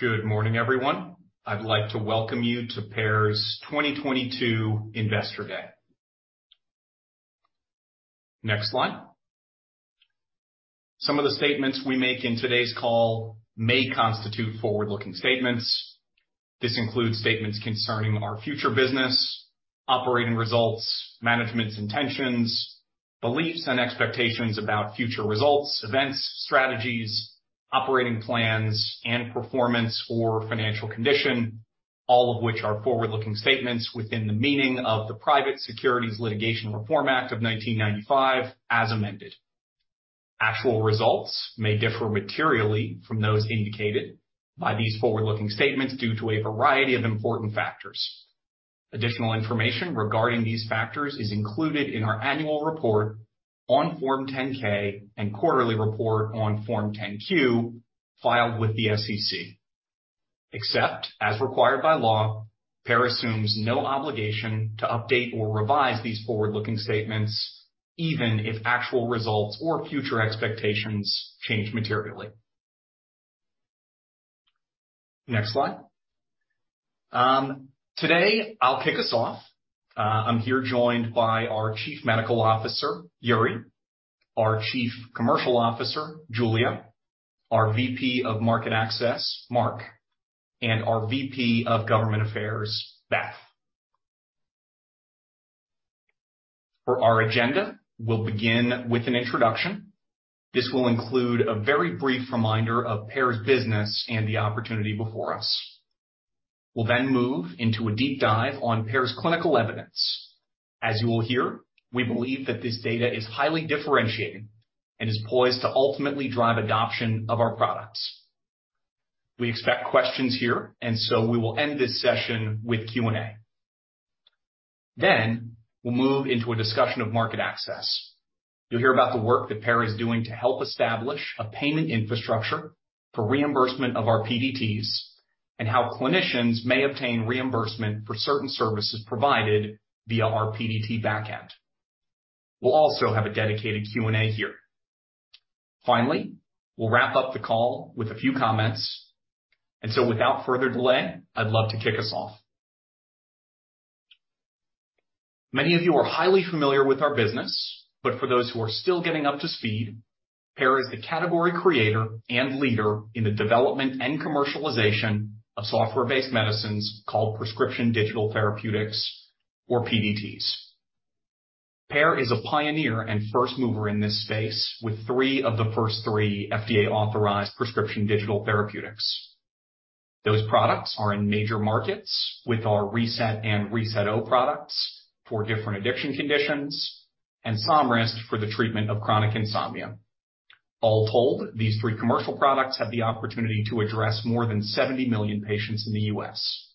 Good morning, everyone. I'd like to welcome you to Pear's 2022 Investor Day. Next slide. Some of the statements we make in today's call may constitute forward-looking statements. This includes statements concerning our future business, operating results, management's intentions, beliefs, and expectations about future results, events, strategies, operating plans, and performance or financial condition, all of which are forward-looking statements within the meaning of the Private Securities Litigation Reform Act of 1995, as amended. Actual results may differ materially from those indicated by these forward-looking statements due to a variety of important factors. Additional information regarding these factors is included in our annual report on Form 10-K and quarterly report on Form 10-Q filed with the SEC. Except as required by law, Pear assumes no obligation to update or revise these forward-looking statements, even if actual results or future expectations change materially. Next slide. Today I'll kick us off. I'm here joined by our Chief Medical Officer, Yuri, our Chief Commercial Officer, Julia, our VP of Market Access, Mark, and our VP of Government Affairs, Beth. For our agenda, we'll begin with an introduction. This will include a very brief reminder of Pear's business and the opportunity before us. We'll then move into a deep dive on Pear's clinical evidence. As you will hear, we believe that this data is highly differentiated and is poised to ultimately drive adoption of our products. We expect questions here, and so we will end this session with Q&A. Then we'll move into a discussion of market access. You'll hear about the work that Pear is doing to help establish a payment infrastructure for reimbursement of our PDTs and how clinicians may obtain reimbursement for certain services provided via our PDT backend. We'll also have a dedicated Q&A here. Finally, we'll wrap up the call with a few comments. Without further delay, I'd love to kick us off. Many of you are highly familiar with our business, but for those who are still getting up to speed, Pear is the category creator and leader in the development and commercialization of software-based medicines called prescription digital therapeutics or PDTs. Pear is a pioneer and first mover in this space with three of the first three FDA-authorized prescription digital therapeutics. Those products are in major markets with our reSET and reSET-O products for different addiction conditions, and Somryst for the treatment of chronic insomnia. All told, these three commercial products have the opportunity to address more than 70 million patients in the U.S.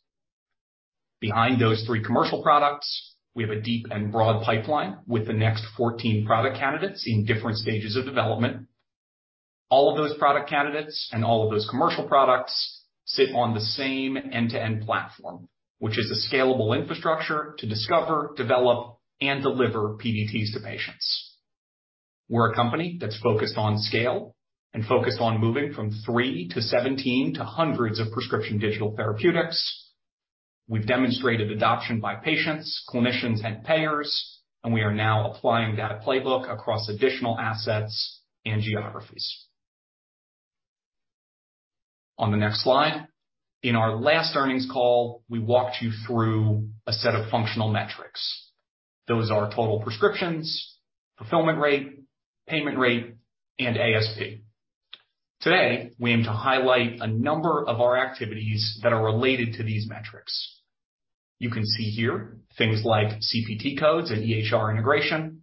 Behind those three commercial products, we have a deep and broad pipeline with the next 14 product candidates in different stages of development. All of those product candidates and all of those commercial products sit on the same end-to-end platform, which is a scalable infrastructure to discover, develop, and deliver PDTs to patients. We're a company that's focused on scale and focused on moving from three to 17 to hundreds of prescription digital therapeutics. We've demonstrated adoption by patients, clinicians, and payers, and we are now applying data playbook across additional assets and geographies. On the next slide. In our last earnings call, we walked you through a set of functional metrics. Those are total prescriptions, fulfillment rate, payment rate, and ASP. Today, we aim to highlight a number of our activities that are related to these metrics. You can see here things like CPT codes and EHR integration.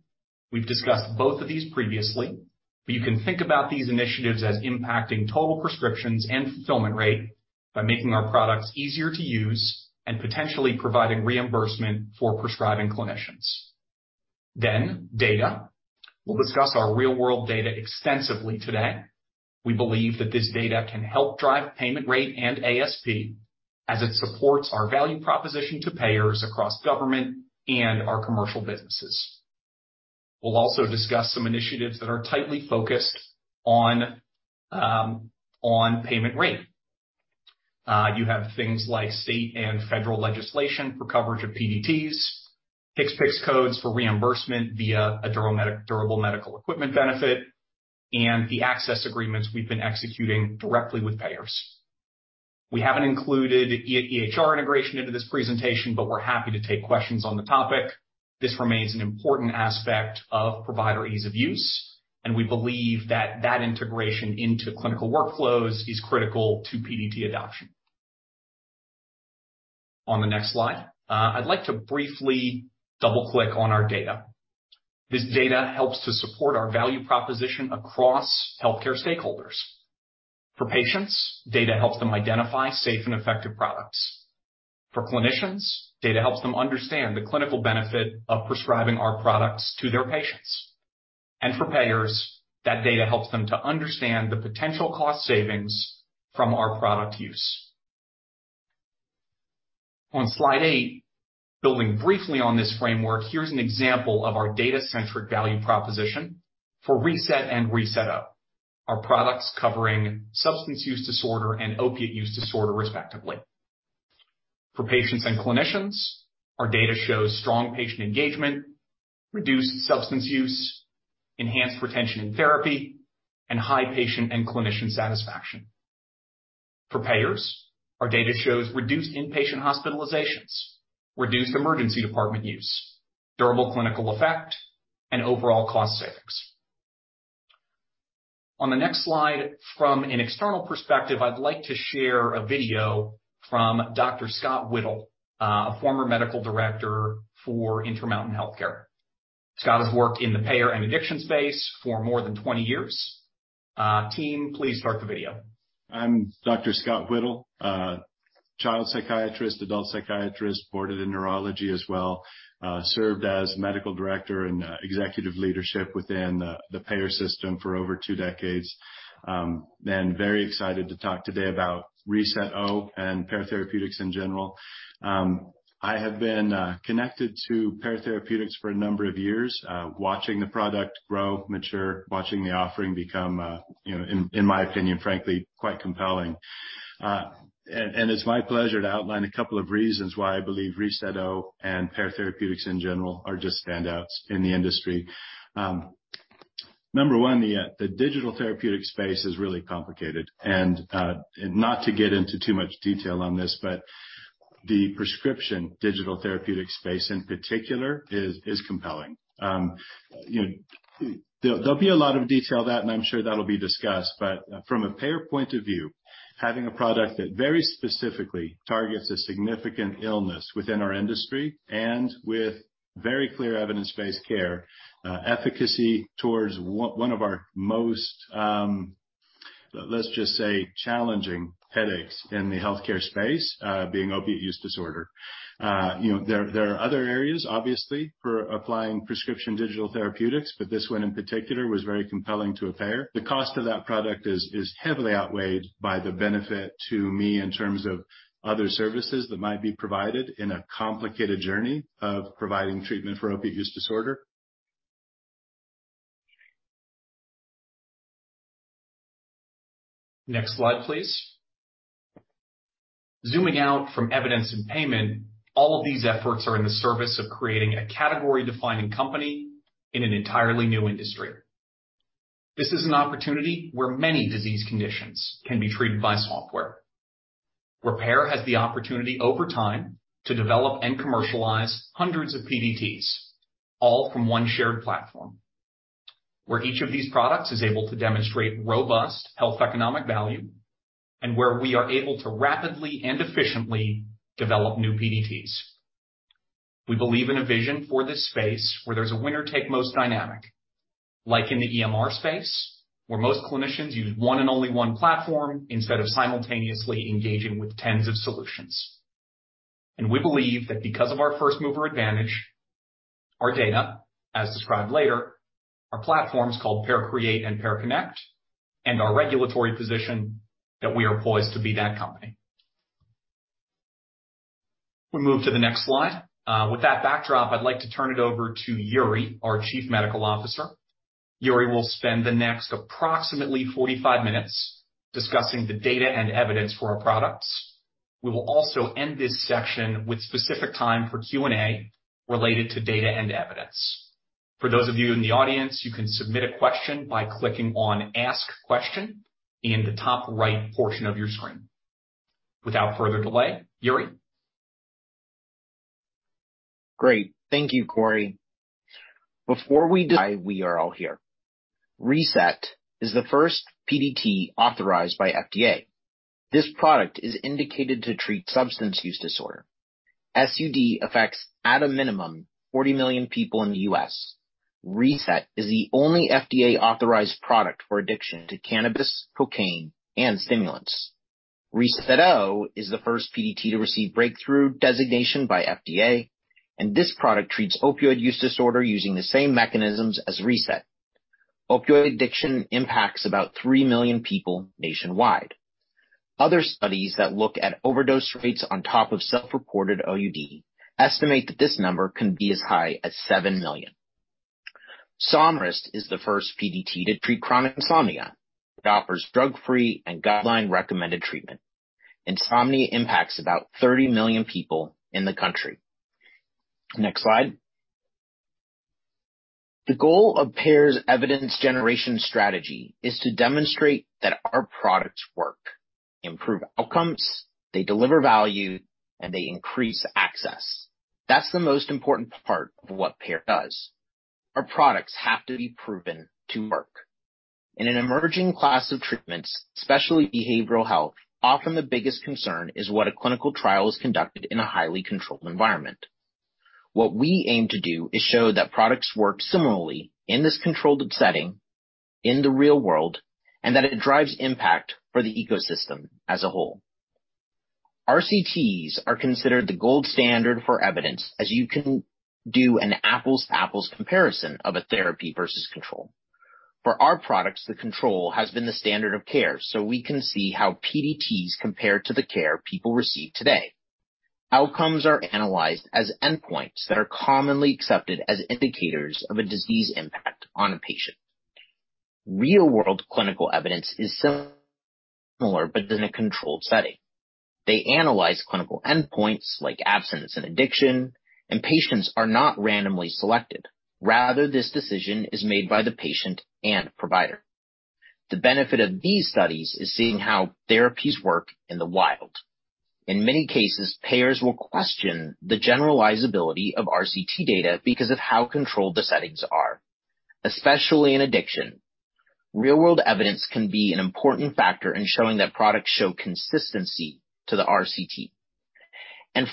We've discussed both of these previously, but you can think about these initiatives as impacting total prescriptions and fulfillment rate by making our products easier to use and potentially providing reimbursement for prescribing clinicians. Then, data. We'll discuss our real-world data extensively today. We believe that this data can help drive payment rate and ASP as it supports our value proposition to payers across government and our commercial businesses. We'll also discuss some initiatives that are tightly focused on payment rate. You have things like state and federal legislation for coverage of PDTs, HCPCS codes for reimbursement via a durable medical equipment benefit, and the access agreements we've been executing directly with payers. We haven't included EHR integration into this presentation, but we're happy to take questions on the topic. This remains an important aspect of provider ease of use, and we believe that integration into clinical workflows is critical to PDT adoption. On the next slide, I'd like to briefly double-click on our data. This data helps to support our value proposition across healthcare stakeholders. For patients, data helps them identify safe and effective products. For clinicians, data helps them understand the clinical benefit of prescribing our products to their patients. For payers, that data helps them to understand the potential cost savings from our product use. On slide eight, building briefly on this framework, here's an example of our data-centric value proposition for reSET and reSET-O, our products covering substance use disorder and opioid use disorder, respectively. For patients and clinicians, our data shows strong patient engagement, reduced substance use, enhanced retention in therapy, and high patient and clinician satisfaction. For payers, our data shows reduced inpatient hospitalizations, reduced emergency department use, durable clinical effect, and overall cost savings. On the next slide, from an external perspective, I'd like to share a video from Dr. Scott Whittle, a Former Medical Director for Intermountain Healthcare. Scott has worked in the payer and addiction space for more than 20 years. Team, please start the video. I'm Dr. Scott Whittle, child psychiatrist, adult psychiatrist, boarded in neurology as well, served as medical director and executive leadership within the payer system for over two decades. I'm very excited to talk today about reSET-O and Pear Therapeutics in general. I have been connected to Pear Therapeutics for a number of years, watching the product grow, mature, watching the offering become, you know, in my opinion, frankly, quite compelling. It's my pleasure to outline a couple of reasons why I believe reSET-O and Pear Therapeutics in general are just standouts in the industry. Number one, the digital therapeutic space is really complicated and not to get into too much detail on this, but the prescription digital therapeutic space, in particular, is compelling. You know, there'll be a lot of detail that and I'm sure that'll be discussed. From a payer point of view, having a product that very specifically targets a significant illness within our industry and with very clear evidence-based care, efficacy towards one of our most, let's just say, challenging headaches in the healthcare space, being opioid use disorder. You know, there are other areas obviously for applying prescription digital therapeutics, but this one in particular was very compelling to a payer. The cost of that product is heavily outweighed by the benefit to me in terms of other services that might be provided in a complicated journey of providing treatment for opioid use disorder. Next slide, please. Zooming out from evidence and payment, all of these efforts are in the service of creating a category-defining company in an entirely new industry. This is an opportunity where many disease conditions can be treated by software. Where Pear has the opportunity over time to develop and commercialize hundreds of PDTs, all from one shared platform. Where each of these products is able to demonstrate robust health economic value, and where we are able to rapidly and efficiently develop new PDTs. We believe in a vision for this space where there's a winner-take-most dynamic, like in the EMR space, where most clinicians use one and only one platform instead of simultaneously engaging with tens of solutions. We believe that because of our first-mover advantage, our data, as described later, our platforms called PearCreate and PearConnect, and our regulatory position that we are poised to be that company. We move to the next slide. With that backdrop, I'd like to turn it over to Yuri, our Chief Medical Officer. Yuri will spend the next approximately 45 minutes discussing the data and evidence for our products. We will also end this section with specific time for Q&A related to data and evidence. For those of you in the audience, you can submit a question by clicking on Ask Question in the top right portion of your screen. Without further delay, Yuri. Great. Thank you, Corey. Before we— why we are all here. reSET is the first PDT authorized by FDA. This product is indicated to treat substance use disorder. SUD affects at a minimum 40 million people in the U.S. reSET is the only FDA-authorized product for addiction to cannabis, cocaine, and stimulants. reSET-O is the first PDT to receive breakthrough designation by FDA, and this product treats opioid use disorder using the same mechanisms as reSET. Opioid addiction impacts about 3 million people nationwide. Other studies that look at overdose rates on top of self-reported OUD estimate that this number can be as high as 7 million. Somryst is the first PDT to treat chronic insomnia. It offers drug-free and guideline-recommended treatment. Insomnia impacts about 30 million people in the country. Next slide. The goal of Pear's evidence generation strategy is to demonstrate that our products work, improve outcomes, they deliver value, and they increase access. That's the most important part of what Pear does. Our products have to be proven to work. In an emerging class of treatments, especially behavioral health, often the biggest concern is that a clinical trial is conducted in a highly controlled environment. What we aim to do is show that products work similarly in this controlled setting in the real world, and that it drives impact for the ecosystem as a whole. RCTs are considered the gold standard for evidence, as you can do an apples-to-apples comparison of a therapy versus control. For our products, the control has been the standard of care, so we can see how PDTs compare to the care people receive today. Outcomes are analyzed as endpoints that are commonly accepted as indicators of a disease impact on a patient. Real-world clinical evidence is similar but in a controlled setting. They analyze clinical endpoints like abstinence and addiction, and patients are not randomly selected. Rather, this decision is made by the patient and provider. The benefit of these studies is seeing how therapies work in the wild. In many cases, payers will question the generalizability of RCT data because of how controlled the settings are. Especially in addiction, real-world evidence can be an important factor in showing that products show consistency to the RCT.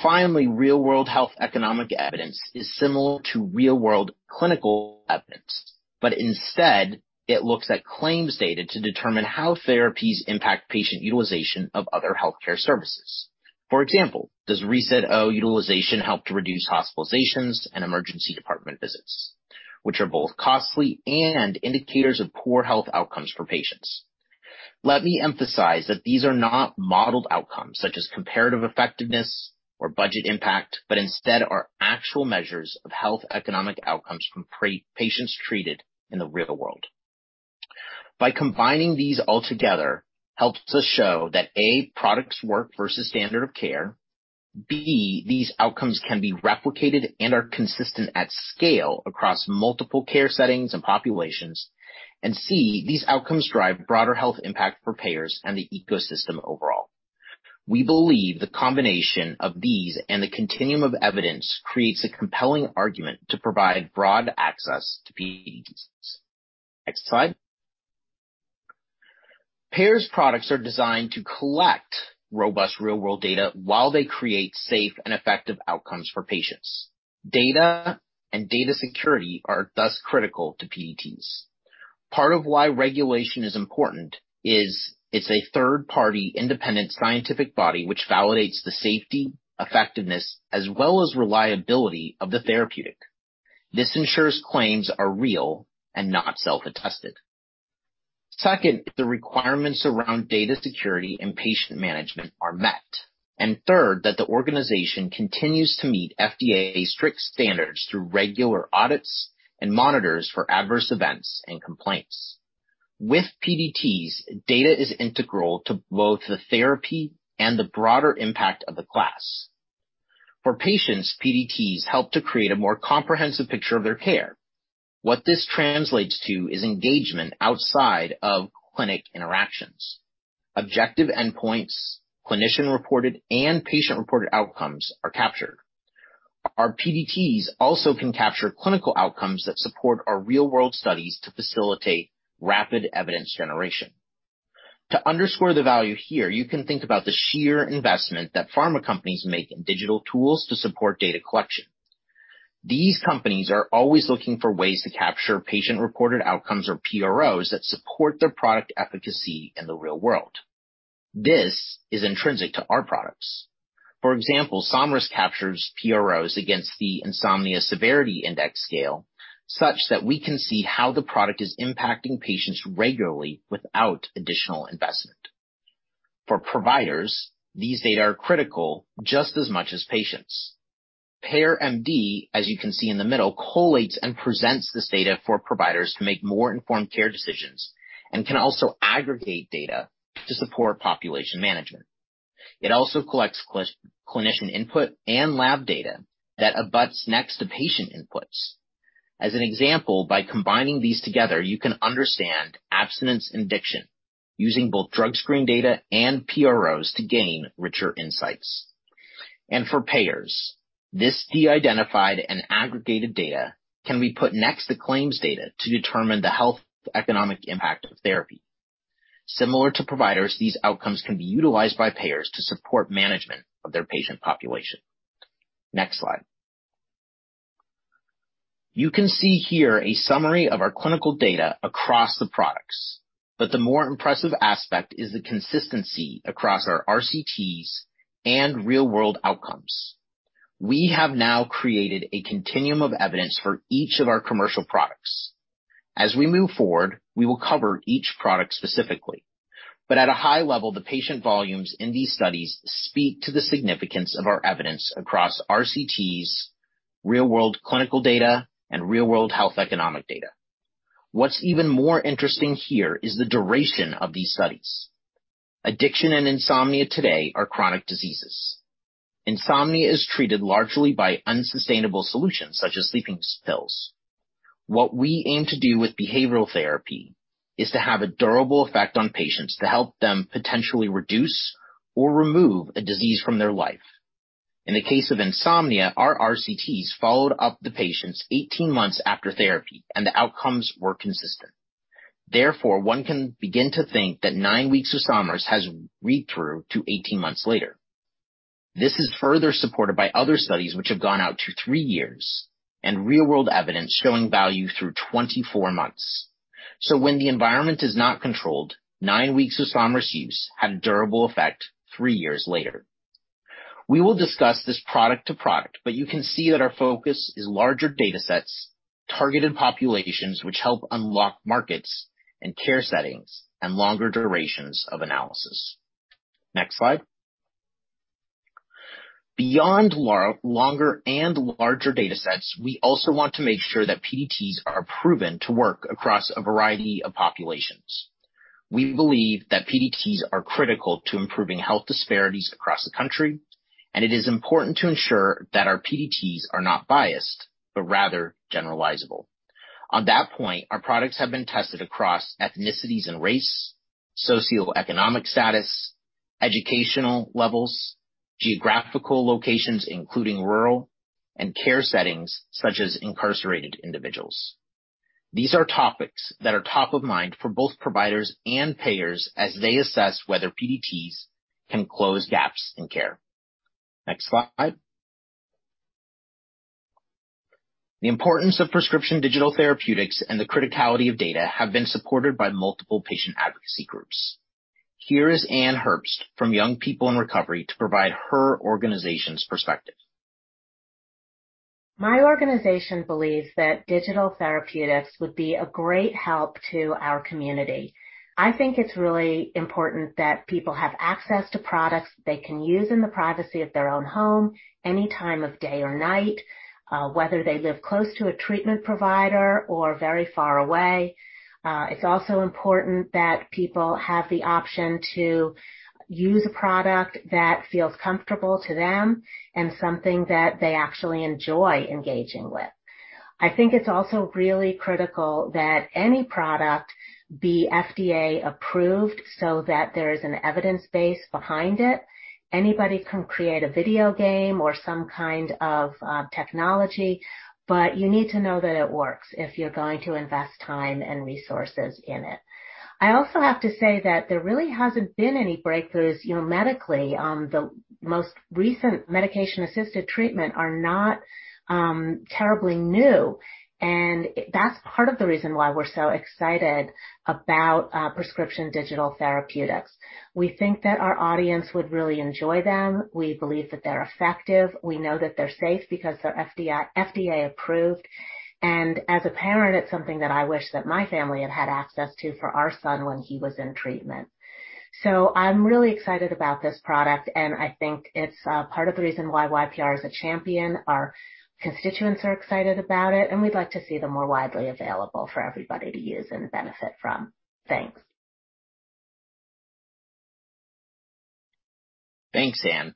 Finally, real-world health economic evidence is similar to real-world clinical evidence, but instead it looks at claims data to determine how therapies impact patient utilization of other healthcare services. For example, does reSET-O utilization help to reduce hospitalizations and emergency department visits, which are both costly and indicators of poor health outcomes for patients? Let me emphasize that these are not modeled outcomes such as comparative effectiveness or budget impact but instead are actual measures of health economic outcomes from patients treated in the real world. By combining these all together helps us show that, A, products work versus standard of care. B, these outcomes can be replicated and are consistent at scale across multiple care settings and populations, and C, these outcomes drive broader health impact for payers and the ecosystem overall. We believe the combination of these, and the continuum of evidence creates a compelling argument to provide broad access to PDTs. Next slide. Pear's products are designed to collect robust real-world data while they create safe and effective outcomes for patients. Data and data security are thus critical to PDTs. Part of why regulation is important is it's a third-party independent scientific body which validates the safety, effectiveness, as well as reliability of the therapeutic. This ensures claims are real and not self-attested. Second, the requirements around data security and patient management are met. Third, that the organization continues to meet FDA's strict standards through regular audits and monitors for adverse events and complaints. With PDTs, data is integral to both the therapy and the broader impact of the class. For patients, PDTs help to create a more comprehensive picture of their care. What this translates to is engagement outside of clinic interactions. Objective endpoints, clinician-reported and patient-reported outcomes are captured. Our PDTs also can capture clinical outcomes that support our real-world studies to facilitate rapid evidence generation. To underscore the value here, you can think about the sheer investment that pharma companies make in digital tools to support data collection. These companies are always looking for ways to capture patient-reported outcomes or PROs that support their product efficacy in the real world. This is intrinsic to our products. For example, Somryst captures PROs against the Insomnia Severity Index scale such that we can see how the product is impacting patients regularly without additional investment. For providers, these data are critical just as much as patients. PearMD, as you can see in the middle, collates and presents this data for providers to make more informed care decisions and can also aggregate data to support population management. It also collects clinician input and lab data that abuts next to patient inputs. As an example, by combining these together, you can understand abstinence addiction using both drug screen data and PROs to gain richer insights. For payers, this de-identified and aggregated data can be put next to claims data to determine the health economic impact of therapy. Similar to providers, these outcomes can be utilized by payers to support management of their patient population. Next slide. You can see here a summary of our clinical data across the products, but the more impressive aspect is the consistency across our RCTs and real-world outcomes. We have now created a continuum of evidence for each of our commercial products. As we move forward, we will cover each product specifically. At a high level, the patient volumes in these studies speak to the significance of our evidence across RCTs, real-world clinical data, and real-world health economic data. What's even more interesting here is the duration of these studies. Addiction and insomnia today are chronic diseases. Insomnia is treated largely by unsustainable solutions such as sleeping pills. What we aim to do with behavioral therapy is to have a durable effect on patients to help them potentially reduce or remove a disease from their life. In the case of insomnia, our RCTs followed up the patients 18 months after therapy and the outcomes were consistent. Therefore, one can begin to think that nine weeks of Somryst has read through to 18 months later. This is further supported by other studies which have gone out to three years and real-world evidence showing value through 24 months. When the environment is not controlled, nine weeks of Somryst use had a durable effect three years later. We will discuss this product to product, but you can see that our focus is larger datasets, targeted populations which help unlock markets and care settings, and longer durations of analysis. Next slide. Beyond longer and larger data sets, we also want to make sure that PDTs are proven to work across a variety of populations. We believe that PDTs are critical to improving health disparities across the country, and it is important to ensure that our PDTs are not biased, but rather generalizable. On that point, our products have been tested across ethnicities and race, socioeconomic status, educational levels, geographical locations, including rural and care settings such as incarcerated individuals. These are topics that are top of mind for both providers and payers as they assess whether PDTs can close gaps in care. Next slide. The importance of prescription digital therapeutics and the criticality of data have been supported by multiple patient advocacy groups. Here is Ann Herbst from Young People in Recovery to provide her organization's perspective. My organization believes that digital therapeutics would be a great help to our community. I think it's really important that people have access to products they can use in the privacy of their own home any time of day or night, whether they live close to a treatment provider or very far away. It's also important that people have the option to use a product that feels comfortable to them and something that they actually enjoy engaging with. I think it's also really critical that any product be FDA approved so that there is an evidence base behind it. Anybody can create a video game or some kind of technology, but you need to know that it works if you're going to invest time and resources in it. I also have to say that there really hasn't been any breakthroughs, you know, medically. The most recent medication-assisted treatment are not terribly new, and that's part of the reason why we're so excited about prescription digital therapeutics. We think that our audience would really enjoy them. We believe that they're effective. We know that they're safe because they're FDA approved. As a parent, it's something that I wish that my family had had access to for our son when he was in treatment. I'm really excited about this product, and I think it's part of the reason why YPR is a champion. Our constituents are excited about it, and we'd like to see them more widely available for everybody to use and benefit from. Thanks. Thanks, Ann.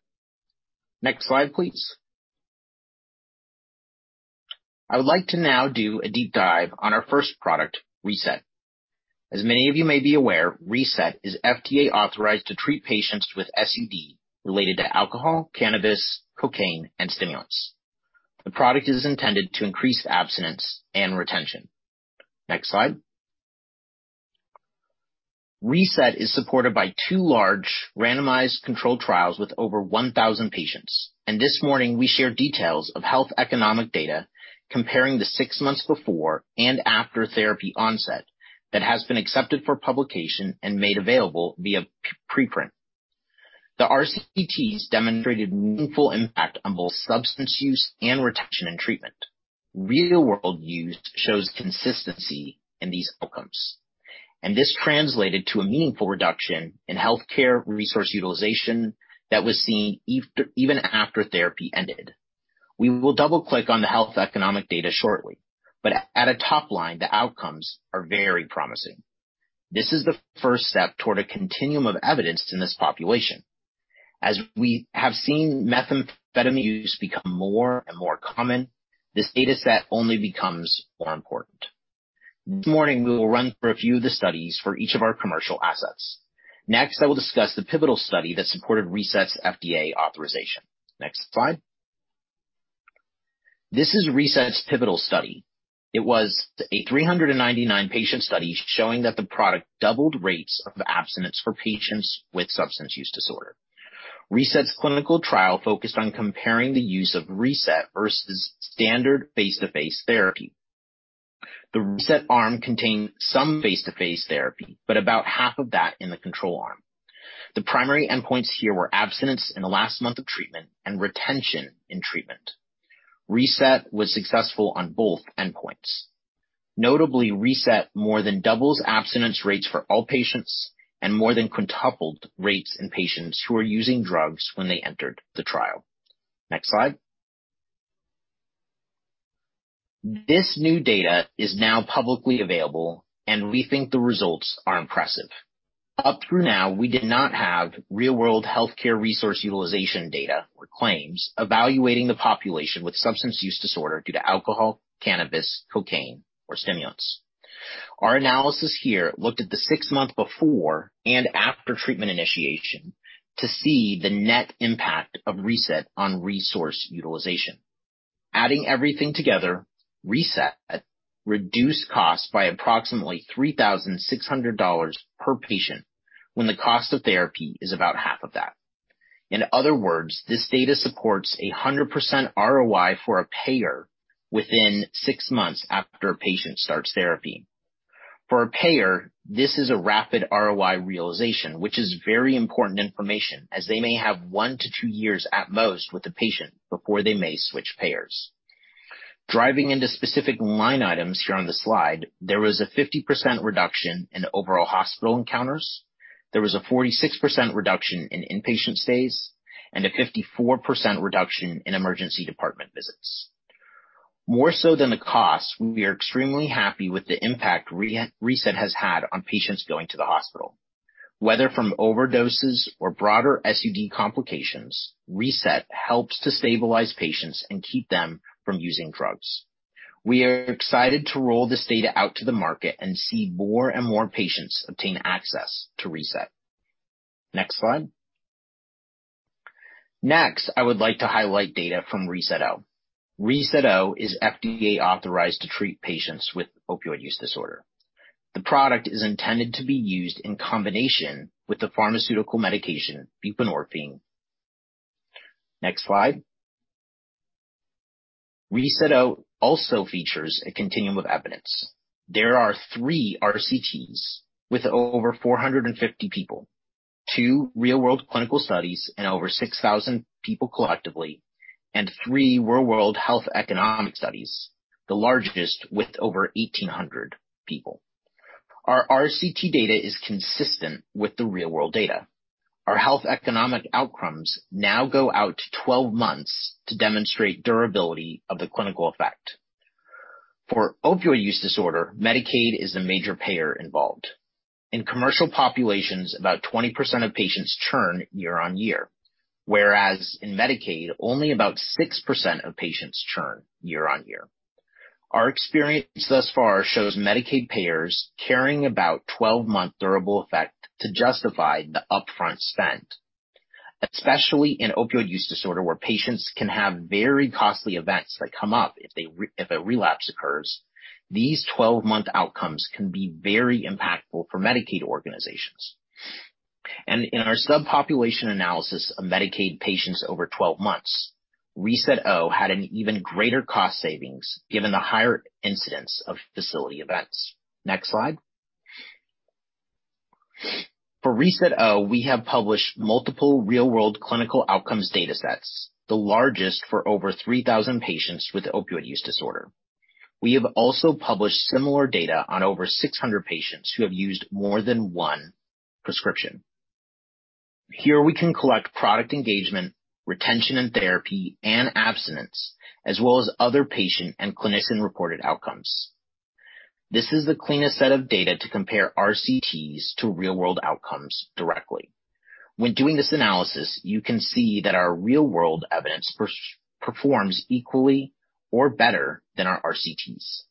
Next slide, please. I would like to now do a deep dive on our first product, reSET. As many of you may be aware, reSET is FDA authorized to treat patients with SUD related to alcohol, cannabis, cocaine and stimulants. The product is intended to increase abstinence and retention. Next slide. reSET is supported by two large randomized controlled trials with over 1,000 patients. This morning we share details of health economic data comparing the six months before and after therapy onset that has been accepted for publication and made available via preprint. The RCTs demonstrated meaningful impact on both substance use and retention and treatment. Real-world use shows consistency in these outcomes, and this translated to a meaningful reduction in healthcare resource utilization that was seen even after therapy ended. We will double click on the health economic data shortly, but at a top line the outcomes are very promising. This is the first step toward a continuum of evidence in this population. As we have seen methamphetamine use become more and more common, this data set only becomes more important. This morning, we will run through a few of the studies for each of our commercial assets. Next, I will discuss the pivotal study that supported reSET's FDA authorization. Next slide. This is reSET's pivotal study. It was a 399-patient study showing that the product doubled rates of abstinence for patients with substance use disorder. reSET's clinical trial focused on comparing the use of reSET versus standard face-to-face therapy. The reSET arm contained some face-to-face therapy, but about half of that in the control arm. The primary endpoints here were abstinence in the last month of treatment and retention in treatment. reSET was successful on both endpoints. Notably, reSET more than doubles abstinence rates for all patients and more than quintupled rates in patients who are using drugs when they entered the trial. Next slide. This new data is now publicly available, and we think the results are impressive. Up to now, we did not have real-world healthcare resource utilization data or claims evaluating the population with substance use disorder due to alcohol, cannabis, cocaine or stimulants. Our analysis here looked at the six months before and after treatment initiation to see the net impact of reSET on resource utilization. Adding everything together, reSET reduced costs by approximately $3,600 per patient when the cost of therapy is about half of that. In other words, this data supports a 100% ROI for a payer within six months after a patient starts therapy. For a payer, this is a rapid ROI realization, which is very important information as they may have one to two years at most with the patient before they may switch payers. Diving into specific line items here on the slide, there was a 50% reduction in overall hospital encounters. There was a 46% reduction in inpatient stays and a 54% reduction in emergency department visits. More so than the cost, we are extremely happy with the impact reSET has had on patients going to the hospital. Whether from overdoses or broader SUD complications, reSET helps to stabilize patients and keep them from using drugs. We are excited to roll this data out to the market and see more and more patients obtain access to reSET. Next slide. Next, I would like to highlight data from reSET-O. reSET-O is FDA authorized to treat patients with opioid use disorder. The product is intended to be used in combination with the pharmaceutical medication buprenorphine. Next slide. reSET-O also features a continuum of evidence. There are three RCTs with over 450 people, two real-world clinical studies in over 6,000 people collectively, and three real-world health economic studies, the largest with over 1,800 people. Our RCT data is consistent with the real-world data. Our health economic outcomes now go out to 12 months to demonstrate durability of the clinical effect. For opioid use disorder, Medicaid is the major payer involved. In commercial populations, about 20% of patients churn year-on-year, whereas in Medicaid only about 6% of patients churn year-on-year. Our experience thus far shows Medicaid payers caring about 12-month durable effect to justify the upfront spend. Especially in opioid use disorder, where patients can have very costly events that come up if a relapse occurs, these 12-month outcomes can be very impactful for Medicaid organizations. In our subpopulation analysis of Medicaid patients over 12 months, reSET-O had an even greater cost savings given the higher incidence of facility events. Next slide. For reSET-O, we have published multiple real-world clinical outcomes datasets, the largest for over 3,000 patients with opioid use disorder. We have also published similar data on over 600 patients who have used more than one prescription. Here we can collect product engagement, retention and therapy and abstinence, as well as other patient and clinician-reported outcomes. This is the cleanest set of data to compare RCTs to real-world outcomes directly. When doing this analysis, you can see that our real-world evidence performs equally or better than our RCTs.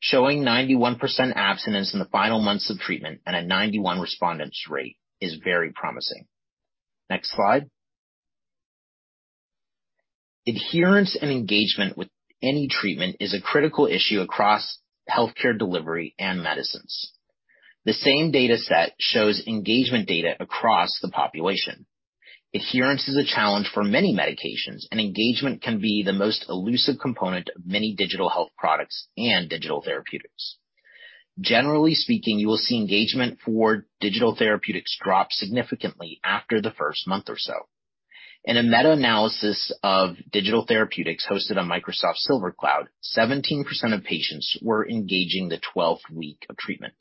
Showing 91% abstinence in the final months of treatment and a 91% response rate is very promising. Next slide. Adherence and engagement with any treatment is a critical issue across healthcare delivery and medicines. The same dataset shows engagement data across the population. Adherence is a challenge for many medications, and engagement can be the most elusive component of many digital health products and digital therapeutics. Generally speaking, you will see engagement for digital therapeutics drop significantly after the first month or so. In a meta-analysis of digital therapeutics hosted on Microsoft SilverCloud, 17% of patients were engaging the 12th week of treatment.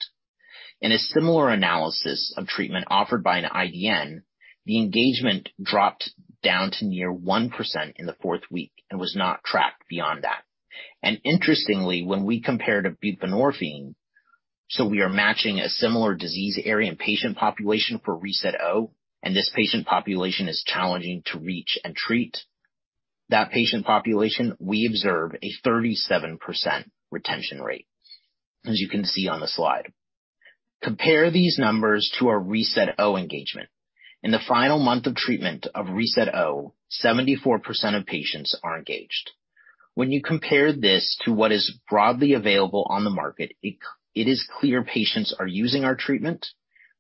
In a similar analysis of treatment offered by an IDN, the engagement dropped down to near 1% in the fourth week and was not tracked beyond that. Interestingly, when we compare to buprenorphine, we are matching a similar disease area and patient population for reSET-O, and this patient population is challenging to reach and treat. That patient population, we observe a 37% retention rate, as you can see on the slide. Compare these numbers to our reSET-O engagement. In the final month of treatment of reSET-O, 74% of patients are engaged. When you compare this to what is broadly available on the market, it is clear patients are using our treatment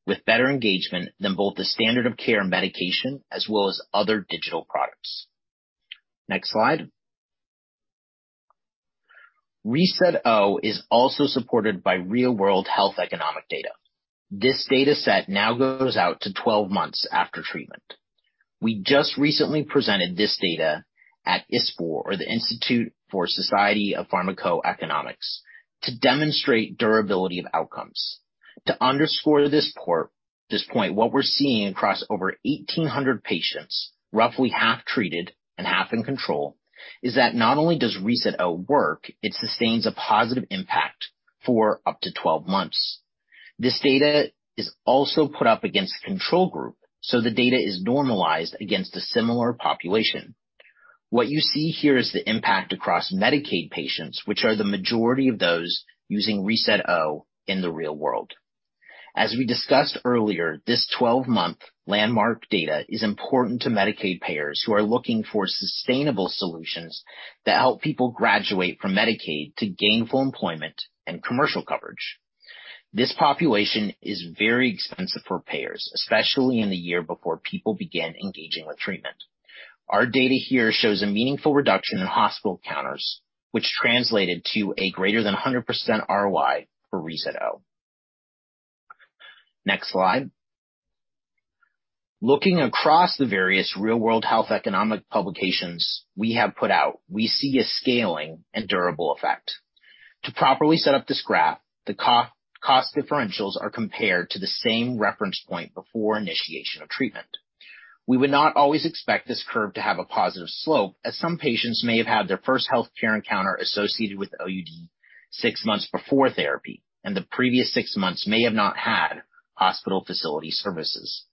with better engagement than both the standard of care and medication as well as other digital products. Next slide. reSET-O is also supported by real-world health economic data. This dataset now goes out to 12 months after treatment. We just recently presented this data at ISPOR, or the International Society for Pharmacoeconomics and Outcomes Research, to demonstrate durability of outcomes. To underscore this point, what we're seeing across over 1,800 patients, roughly half treated and half in control, is that not only does reSET-O work, it sustains a positive impact for up to 12 months. This data is also put up against a control group, so the data is normalized against a similar population. What you see here is the impact across Medicaid patients, which are the majority of those using reSET-O in the real world. As we discussed earlier, this 12-month landmark data is important to Medicaid payers who are looking for sustainable solutions that help people graduate from Medicaid to gainful employment and commercial coverage. This population is very expensive for payers, especially in the year before people begin engaging with treatment. Our data here shows a meaningful reduction in hospital encounters which translated to a greater than 100% ROI for reSET-O. Next slide. Looking across the various real-world health economic publications we have put out, we see a scaling and durable effect. To properly set up this graph, the co-cost differentials are compared to the same reference point before initiation of treatment. We would not always expect this curve to have a positive slope as some patients may have had their first healthcare encounter associated with OUD six months before therapy, and the previous six months may have not had hospital facility services.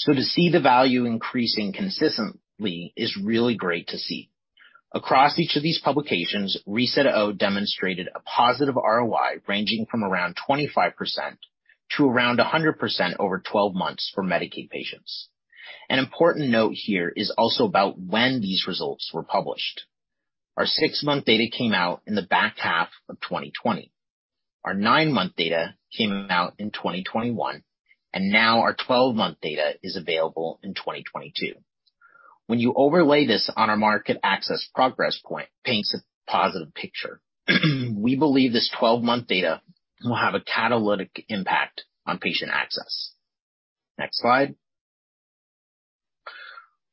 To see the value increasing consistently is really great to see. Across each of these publications, reSET-O demonstrated a positive ROI ranging from around 25% to around 100% over 12 months for Medicaid patients. An important note here is also about when these results were published. Our six-month data came out in the back half of 2020. Our nine-month data came out in 2021, and now our 12-month data is available in 2022. When you overlay this on our market access progress, it paints a positive picture. We believe this 12-month data will have a catalytic impact on patient access. Next slide.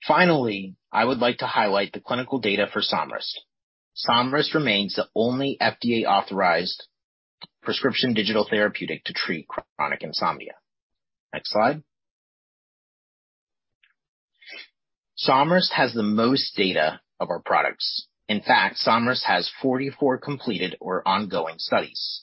Finally, I would like to highlight the clinical data for Somryst. Somryst remains the only FDA-authorized prescription digital therapeutic to treat chronic insomnia. Next slide. Somryst has the most data of our products. In fact, Somryst has 44 completed or ongoing studies.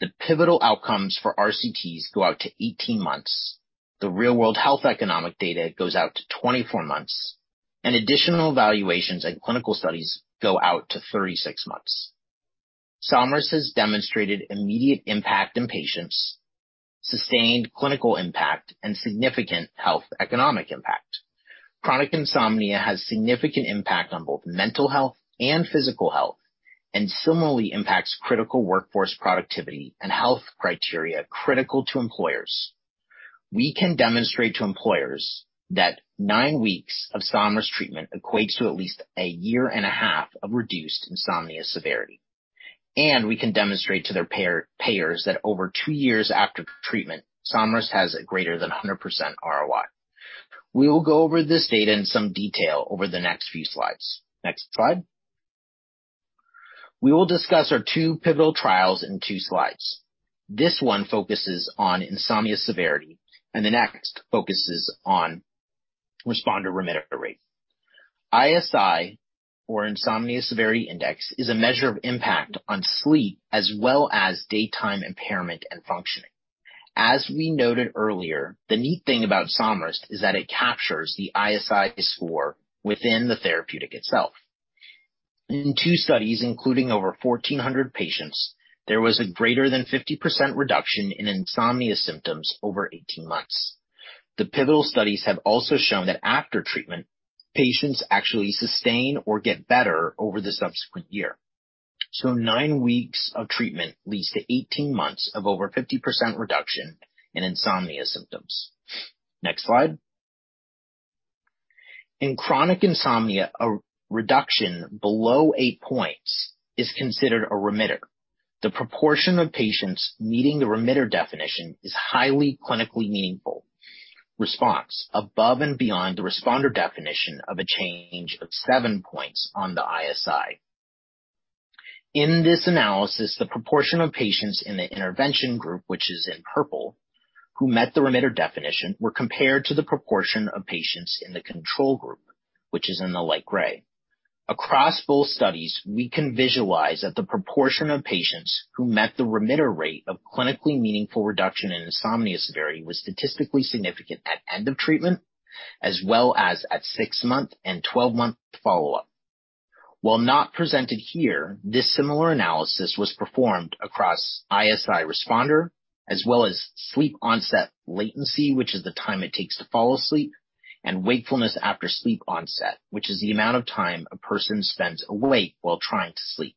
The pivotal outcomes for RCTs go out to 18 months. The real-world health economic data goes out to 24 months, and additional evaluations and clinical studies go out to 36 months. Somryst has demonstrated immediate impact in patients, sustained clinical impact, and significant health economic impact. Chronic insomnia has significant impact on both mental health and physical health and similarly impacts critical workforce productivity and health criteria critical to employers. We can demonstrate to employers that nine weeks of Somryst treatment equates to at least a year and a half of reduced insomnia severity. We can demonstrate to their payers that over two years after treatment, Somryst has a greater than 100% ROI. We will go over this data in some detail over the next few slides. Next slide. We will discuss our two pivotal trials in two slides. This one focuses on insomnia severity, and the next focuses on responder remitter rate. ISI, or Insomnia Severity Index, is a measure of impact on sleep as well as daytime impairment and functioning. As we noted earlier, the neat thing about Somryst is that it captures the ISI score within the therapeutic itself. In two studies, including over 1,400 patients, there was a greater than 50% reduction in insomnia symptoms over 18 months. The pivotal studies have also shown that after treatment, patients actually sustain or get better over the subsequent year. Nine weeks of treatment leads to 18 months of over 50% reduction in insomnia symptoms. Next slide. In chronic insomnia, a reduction below 8 points is considered a remitter. The proportion of patients meeting the remitter definition is highly clinically meaningful. Response above and beyond the responder definition of a change of 7 points on the ISI. In this analysis, the proportion of patients in the intervention group, which is in purple, who met the remitter definition, were compared to the proportion of patients in the control group, which is in the light gray. Across both studies, we can visualize that the proportion of patients who met the remitter rate of clinically meaningful reduction in insomnia severity was statistically significant at end of treatment, as well as at six-month and 12-month follow-up. While not presented here, this similar analysis was performed across ISI responder as well as sleep onset latency, which is the time it takes to fall asleep, and wakefulness after sleep onset, which is the amount of time a person spends awake while trying to sleep.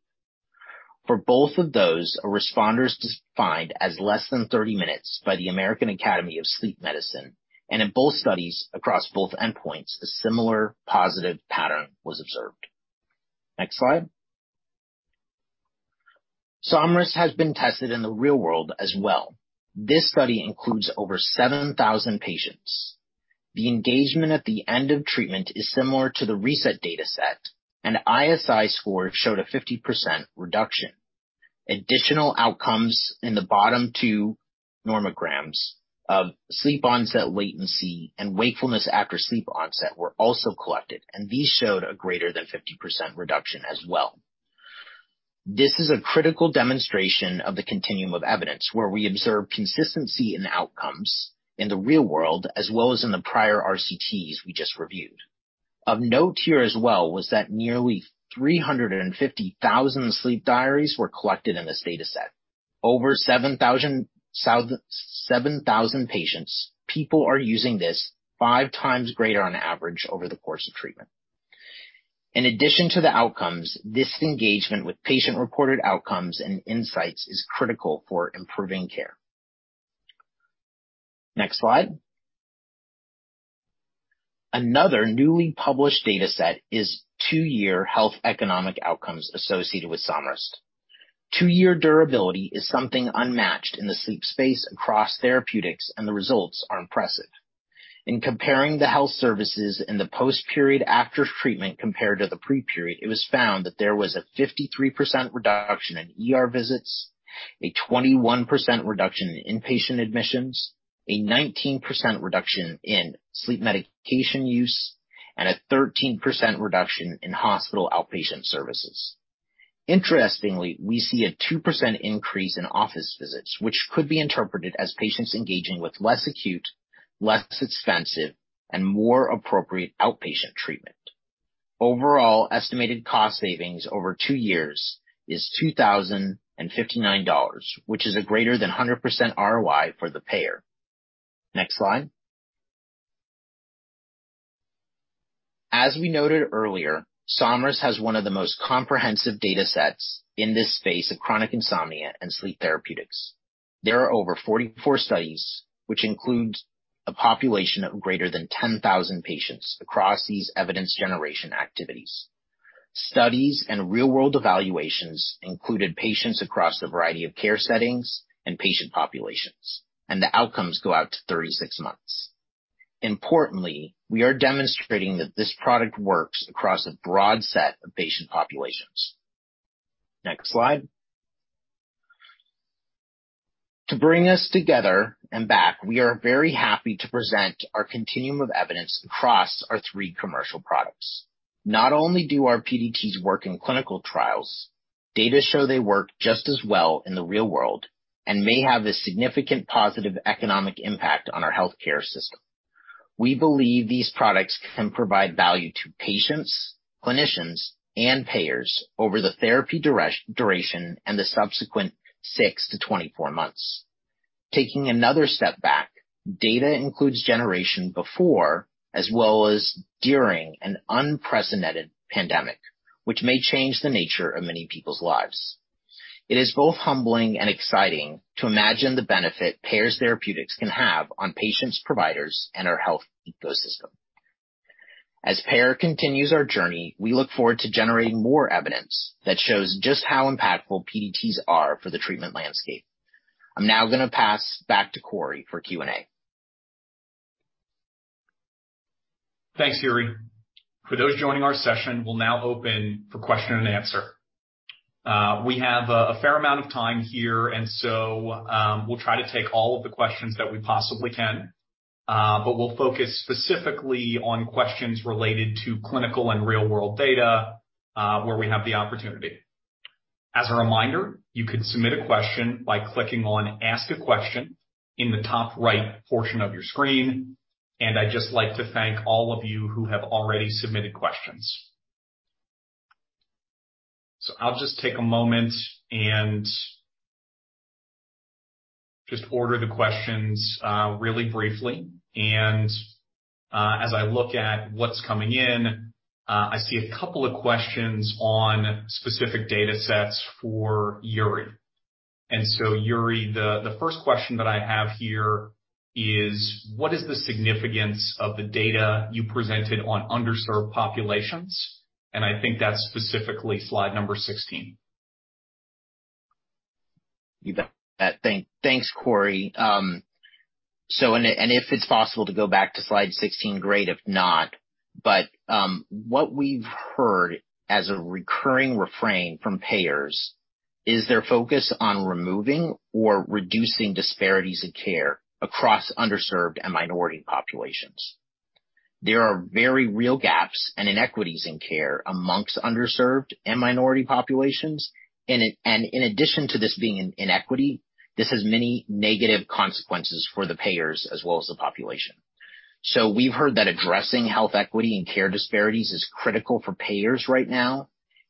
For both of those, a responder is defined as less than 30 minutes by the American Academy of Sleep Medicine. In both studies across both endpoints, a similar positive pattern was observed. Next slide. Somryst has been tested in the real world as well. This study includes over 7,000 patients. The engagement at the end of treatment is similar to the reSET data set, and ISI score showed a 50% reduction. Additional outcomes in the bottom two nomograms of sleep onset latency and wakefulness after sleep onset were also collected, and these showed a greater than 50% reduction as well. This is a critical demonstration of the continuum of evidence, where we observe consistency in the outcomes in the real world as well as in the prior RCTs we just reviewed. Of note here as well, was that nearly 350,000 sleep diaries were collected in this data set. Over 7,000 patients, people are using this 5x greater on average over the course of treatment. In addition to the outcomes, this engagement with patient-reported outcomes and insights is critical for improving care. Next slide. Another newly published data set is two-year health economic outcomes associated with Somryst. Two-year durability is something unmatched in the sleep space across therapeutics, and the results are impressive. In comparing the health services in the post-period after treatment compared to the pre-period, it was found that there was a 53% reduction in ER visits, a 21% reduction in inpatient admissions, a 19% reduction in sleep medication use, and a 13% reduction in hospital outpatient services. Interestingly, we see a 2% increase in office visits, which could be interpreted as patients engaging with less acute, less expensive, and more appropriate outpatient treatment. Overall, estimated cost savings over two years is $2,059, which is a greater than 100% ROI for the payer. Next slide. As we noted earlier, Somryst has one of the most comprehensive data sets in this space of chronic insomnia and sleep therapeutics. There are over 44 studies which include a population of greater than 10,000 patients across these evidence generation activities. Studies and real-world evaluations included patients across the variety of care settings and patient populations, and the outcomes go out to 36 months. Importantly, we are demonstrating that this product works across a broad set of patient populations. Next slide. To bring us together and back, we are very happy to present our continuum of evidence across our three commercial products. Not only do our PDTs work in clinical trials, data show they work just as well in the real world and may have a significant positive economic impact on our healthcare system. We believe these products can provide value to patients, clinicians, and payers over the therapy duration and the subsequent six to 24 months. Taking another step back, data includes generation before as well as during an unprecedented pandemic, which may change the nature of many people's lives. It is both humbling and exciting to imagine the benefit Pear Therapeutics can have on patients, providers, and our health ecosystem. As Pear continues our journey, we look forward to generating more evidence that shows just how impactful PDTs are for the treatment landscape. I'm now going to pass back to Corey for Q&A. Thanks, Yuri. For those joining our session, we'll now open for question and answer. We have a fair amount of time here, and so we'll try to take all of the questions that we possibly can. But we'll focus specifically on questions related to clinical and real-world data, where we have the opportunity. As a reminder, you can submit a question by clicking on Ask a Question in the top right portion of your screen. I'd just like to thank all of you who have already submitted questions. I'll just take a moment and just order the questions, really briefly. As I look at what's coming in, I see a couple of questions on specific data sets for Yuri. Yuri, the first question that I have here is: What is the significance of the data you presented on underserved populations? I think that's specifically slide number 16. You bet. Thanks, Corey. If it's possible to go back to slide 16, great, if not. What we've heard as a recurring refrain from payers is their focus on removing or reducing disparities in care across underserved and minority populations. There are very real gaps and inequities in care amongst underserved and minority populations. In addition to this being an inequity, this has many negative consequences for the payers as well as the population. We've heard that addressing health equity and care disparities is critical for payers right now,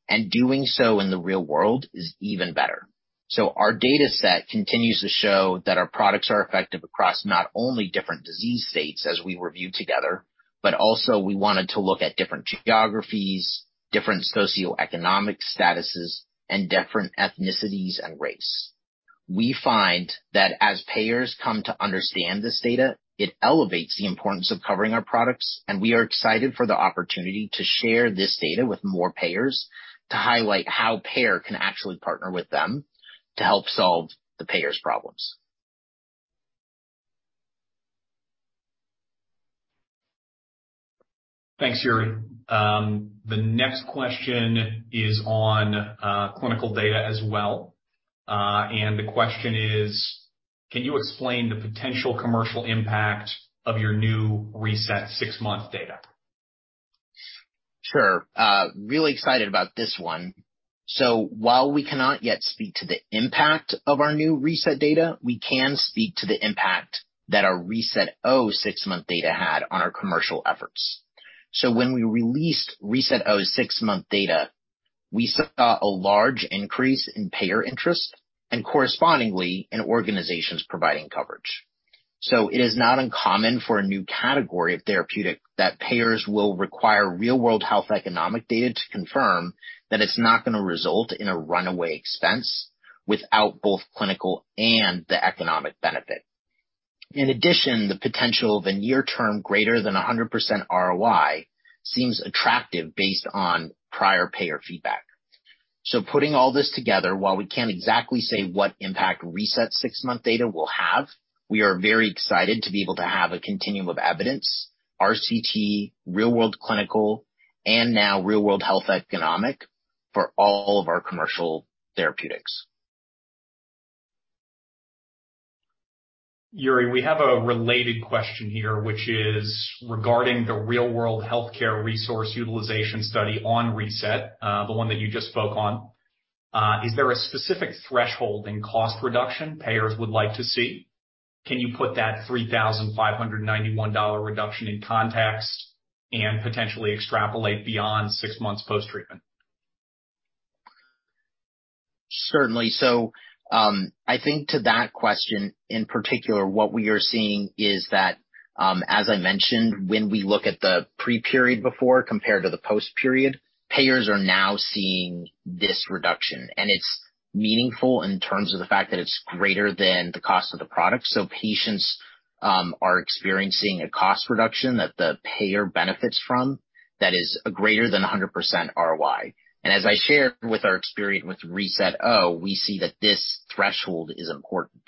and doing so in the real world is even better. Our data set continues to show that our products are effective across not only different disease states, as we reviewed together, but also we wanted to look at different geographies, different socioeconomic statuses, and different ethnicities and race. We find that as payers come to understand this data, it elevates the importance of covering our products, and we are excited for the opportunity to share this data with more payers to highlight how payers can actually partner with them to help solve the payers' problems. Thanks, Yuri. The next question is on clinical data as well. The question is: Can you explain the potential commercial impact of your new reSET six-month data? Sure. Really excited about this one. While we cannot yet speak to the impact of our new reSET data, we can speak to the impact that our reSET-O six-month data had on our commercial efforts. When we released reSET-O's six-month data, we saw a large increase in payer interest and correspondingly in organizations providing coverage. It is not uncommon for a new category of therapeutic that payers will require real-world health economic data to confirm that it's not going to result in a runaway expense without both clinical and the economic benefit. In addition, the potential of a near term greater than 100% ROI seems attractive based on prior payer feedback. Putting all this together, while we can't exactly say what impact reSET six-month data will have, we are very excited to be able to have a continuum of evidence, RCT, real-world clinical, and now real-world health economic for all of our commercial therapeutics. Yuri, we have a related question here which is regarding the real-world healthcare resource utilization study on reSET, the one that you just spoke on. Is there a specific threshold in cost reduction payers would like to see? Can you put that $3,591 reduction in context and potentially extrapolate beyond six months post-treatment? Certainly. I think to that question in particular, what we are seeing is that, as I mentioned, when we look at the pre-period before compared to the post-period, payers are now seeing this reduction. It's meaningful in terms of the fact that it's greater than the cost of the product. Patients are experiencing a cost reduction that the payer benefits from that is greater than 100% ROI. As I shared with our experience with reSET-O, we see that this threshold is important.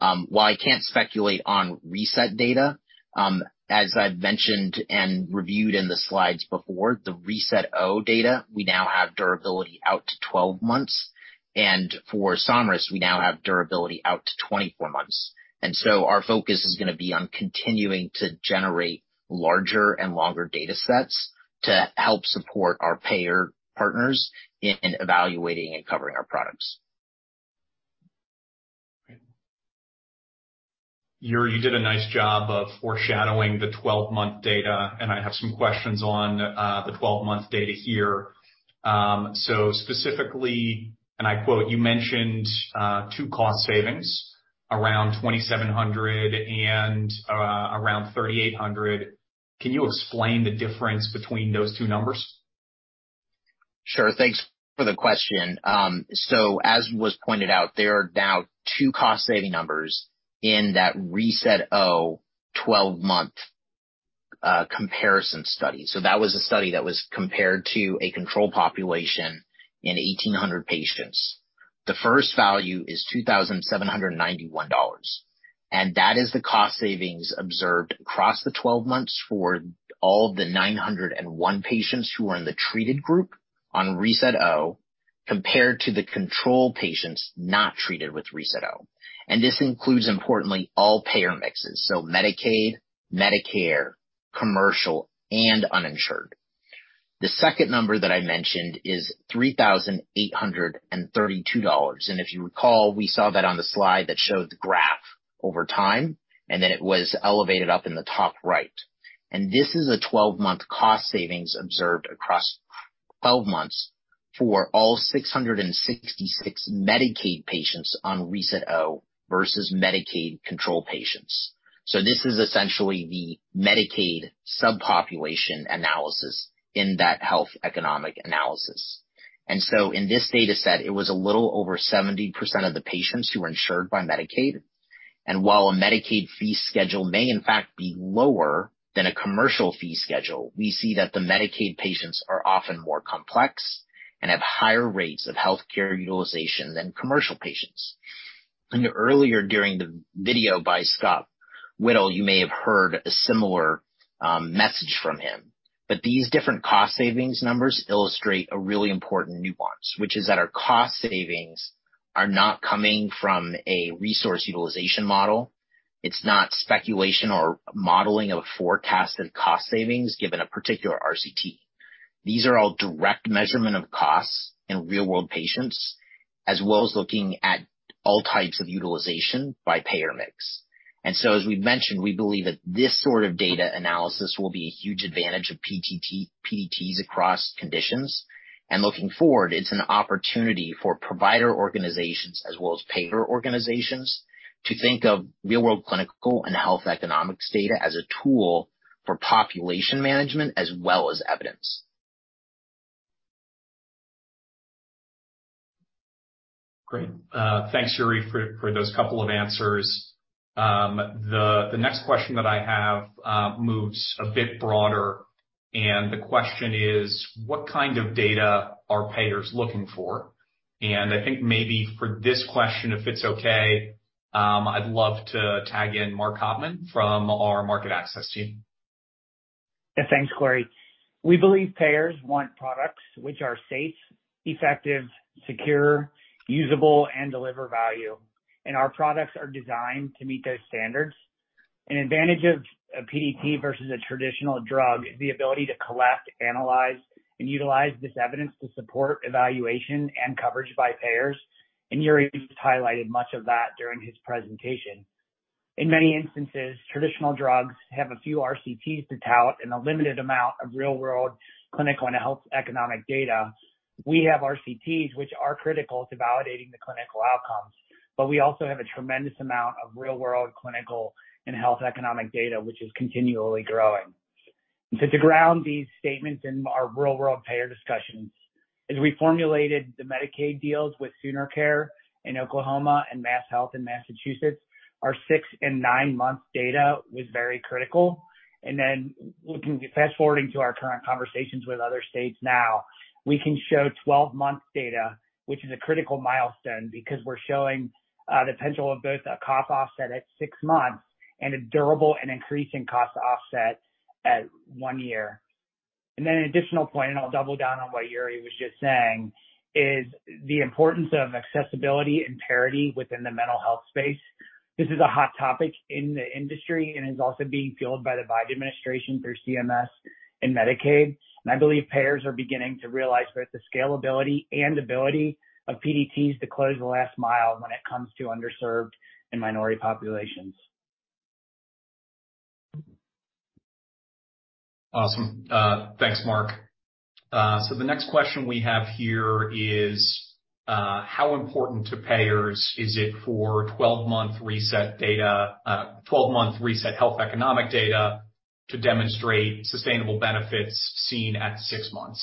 While I can't speculate on reSET data, as I've mentioned and reviewed in the slides before, the reSET-O data, we now have durability out to 12 months. For Somryst, we now have durability out to 24 months. Our focus is gonna be on continuing to generate larger and longer datasets to help support our payer partners in evaluating and covering our products. Great. Yuri, you did a nice job of foreshadowing the 12-month data, and I have some questions on the 12-month data here. Specifically, and I quote, you mentioned two cost savings around $2,700 and around $3,800. Can you explain the difference between those two numbers? Sure. Thanks for the question. As was pointed out, there are now two cost-saving numbers in that reSET-O 12-month comparison study. That was a study that was compared to a control population in 1,800 patients. The first value is $2,791, and that is the cost savings observed across the 12 months for all the 901 patients who are in the treated group on reSET-O compared to the control patients not treated with reSET-O. This includes, importantly, all payer mixes, so Medicaid, Medicare, commercial, and uninsured. The second number that I mentioned is $3,832. If you recall, we saw that on the slide that showed the graph over time, and then it was elevated up in the top right. This is a 12-month cost savings observed across 12 months for all 666 Medicaid patients on reSET-O versus Medicaid control patients. This is essentially the Medicaid subpopulation analysis in that health economic analysis. In this dataset, it was a little over 70% of the patients who were insured by Medicaid. While a Medicaid fee schedule may in fact be lower than a commercial fee schedule, we see that the Medicaid patients are often more complex and have higher rates of healthcare utilization than commercial patients. Earlier during the video by Scott Whittle, you may have heard a similar message from him. These different cost savings numbers illustrate a really important nuance, which is that our cost savings are not coming from a resource utilization model. It's not speculation or modeling of a forecasted cost savings given a particular RCT. These are all direct measurement of costs in real-world patients, as well as looking at all types of utilization by payer mix. As we've mentioned, we believe that this sort of data analysis will be a huge advantage of PDTs across conditions. Looking forward, it's an opportunity for provider organizations as well as payer organizations to think of real-world clinical and health economics data as a tool for population management as well as evidence. Great. Thanks, Yuri, for those couple of answers. The next question that I have moves a bit broader, and the question is, what kind of data are payers looking for? I think maybe for this question, if it's okay, I'd love to tag in Mark Hopman from our Market Access team. Yeah. Thanks, Corey. We believe payers want products which are safe, effective, secure, usable, and deliver value. Our products are designed to meet those standards. An advantage of a PDT versus a traditional drug is the ability to collect, analyze, and utilize this evidence to support evaluation and coverage by payers. Yuri's highlighted much of that during his presentation. In many instances, traditional drugs have a few RCTs to tout and a limited amount of real-world clinical and health economic data. We have RCTs, which are critical to validating the clinical outcomes, but we also have a tremendous amount of real-world clinical and health economic data, which is continually growing. To ground these statements in our real-world payer discussions, as we formulated the Medicaid deals with SoonerCare in Oklahoma and MassHealth in Massachusetts, our six- and nine-month data was very critical. Fast-forwarding to our current conversations with other states now, we can show 12-month data, which is a critical milestone because we're showing the potential of both a cost offset at six months and a durable and increasing cost offset at one year. An additional point, and I'll double down on what Yuri was just saying, is the importance of accessibility and parity within the mental health space. This is a hot topic in the industry and is also being fueled by the Biden administration through CMS and Medicaid. I believe payers are beginning to realize both the scalability and ability of PDTs to close the last mile when it comes to underserved and minority populations. Awesome. Thanks, Mark. So the next question we have here is, how important to payers is it for 12-month reSET data, 12-month reSET health economic data to demonstrate sustainable benefits seen at six months?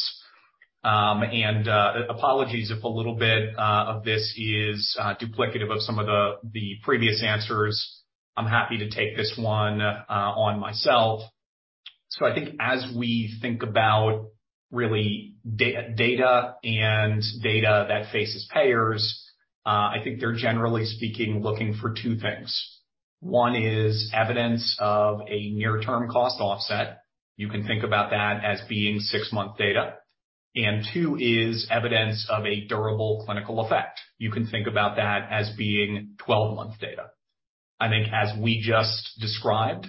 Apologies if a little bit of this is duplicative of some of the previous answers. I'm happy to take this one on myself. I think as we think about really data and data that faces payers, I think they're generally speaking looking for two things. One is evidence of a near-term cost offset. You can think about that as being six-month data. Two is evidence of a durable clinical effect. You can think about that as being 12-month data. I think as we just described,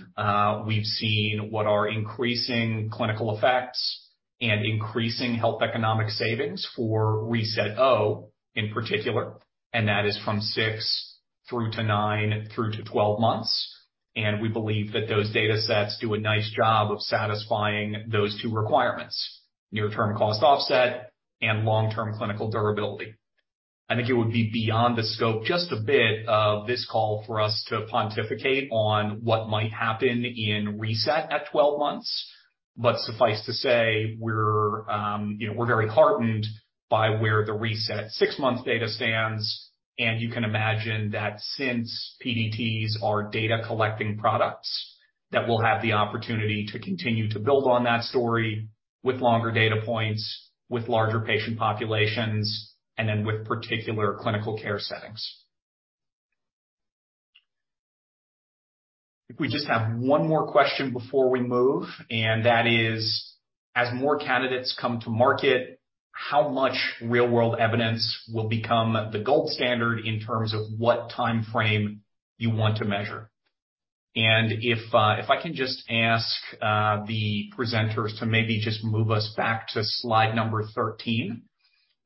we've seen what are increasing clinical effects and increasing health economic savings for reSET-O in particular, and that is from six months through to nine months through to 12 months. We believe that those datasets do a nice job of satisfying those two requirements, near-term cost offset and long-term clinical durability. I think it would be beyond the scope, just a bit, of this call for us to pontificate on what might happen in reSET at 12 months. Suffice to say, we're, you know, very heartened by where the reSET six-month data stands, and you can imagine that since PDTs are data collecting products, that we'll have the opportunity to continue to build on that story with longer data points, with larger patient populations, and then with particular clinical care settings. I think we just have one more question before we move, and that is: as more candidates come to market, how much real-world evidence will become the gold standard in terms of what timeframe you want to measure? If I can just ask the presenters to maybe just move us back to slide number 13,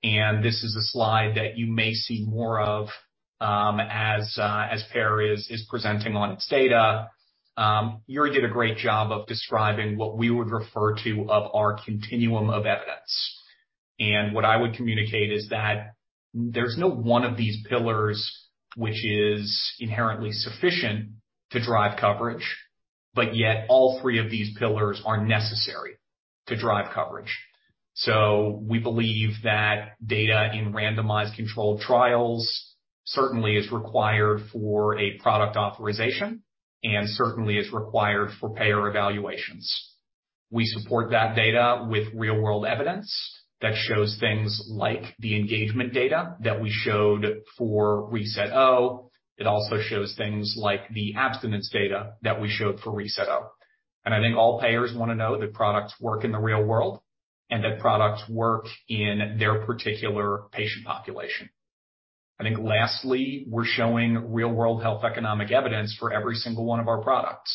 and this is a slide that you may see more of, as Pear is presenting on its data. Yuri did a great job of describing what we would refer to as our continuum of evidence. What I would communicate is that there's no one of these pillars which is inherently sufficient to drive coverage, but yet all three of these pillars are necessary to drive coverage. We believe that data in randomized controlled trials certainly is required for a product authorization and certainly is required for payer evaluations. We support that data with real-world evidence that shows things like the engagement data that we showed for reSET-O. It also shows things like the abstinence data that we showed for reSET-O. I think all payers want to know that products work in the real world and that products work in their particular patient population. I think lastly, we're showing real-world health economic evidence for every single one of our products.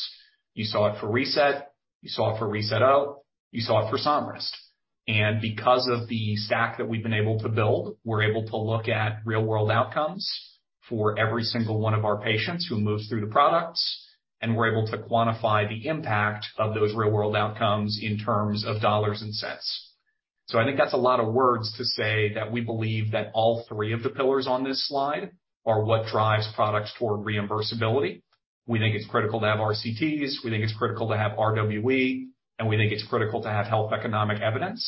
You saw it for reSET, you saw it for reSET-O, you saw it for Somryst. Because of the stack that we've been able to build, we're able to look at real world outcomes for every single one of our patients who moves through the products. We're able to quantify the impact of those real-world outcomes in terms of dollars and cents. I think that's a lot of words to say that we believe that all three of the pillars on this slide are what drives products toward reimbursability. We think it's critical to have RCTs, we think it's critical to have RWE, and we think it's critical to have health economic evidence.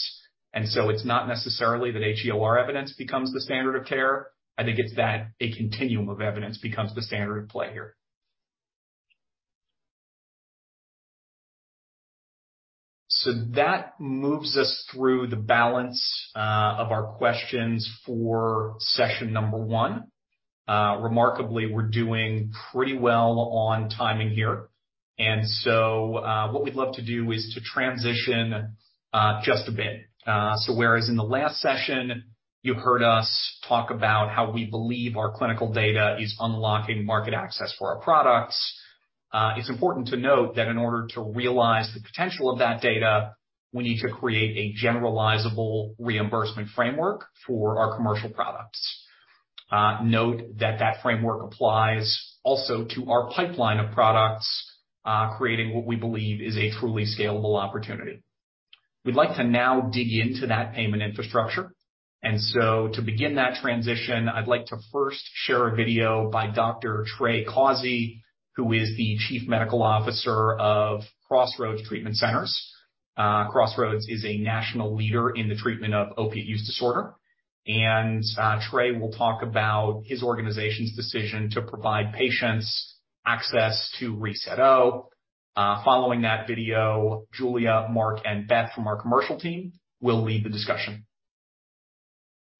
It's not necessarily that HEOR evidence becomes the standard of care. I think it's that a continuum of evidence becomes the standard at play here. That moves us through the balance of our questions for session number one. Remarkably, we're doing pretty well on timing here. What we'd love to do is to transition just a bit. Whereas in the last session, you heard us talk about how we believe our clinical data is unlocking market access for our products, it's important to note that in order to realize the potential of that data, we need to create a generalizable reimbursement framework for our commercial products. Note that that framework applies also to our pipeline of products, creating what we believe is a truly scalable opportunity. We'd like to now dig into that payment infrastructure. To begin that transition, I'd like to first share a video by Dr. Trey Causey, who is the Chief Medical Officer of Crossroads Treatment Centers. Crossroads is a national leader in the treatment of opioid use disorder. Trey will talk about his organization's decision to provide patients access to reSET-O. Following that video, Julia, Mark, and Beth from our commercial team will lead the discussion.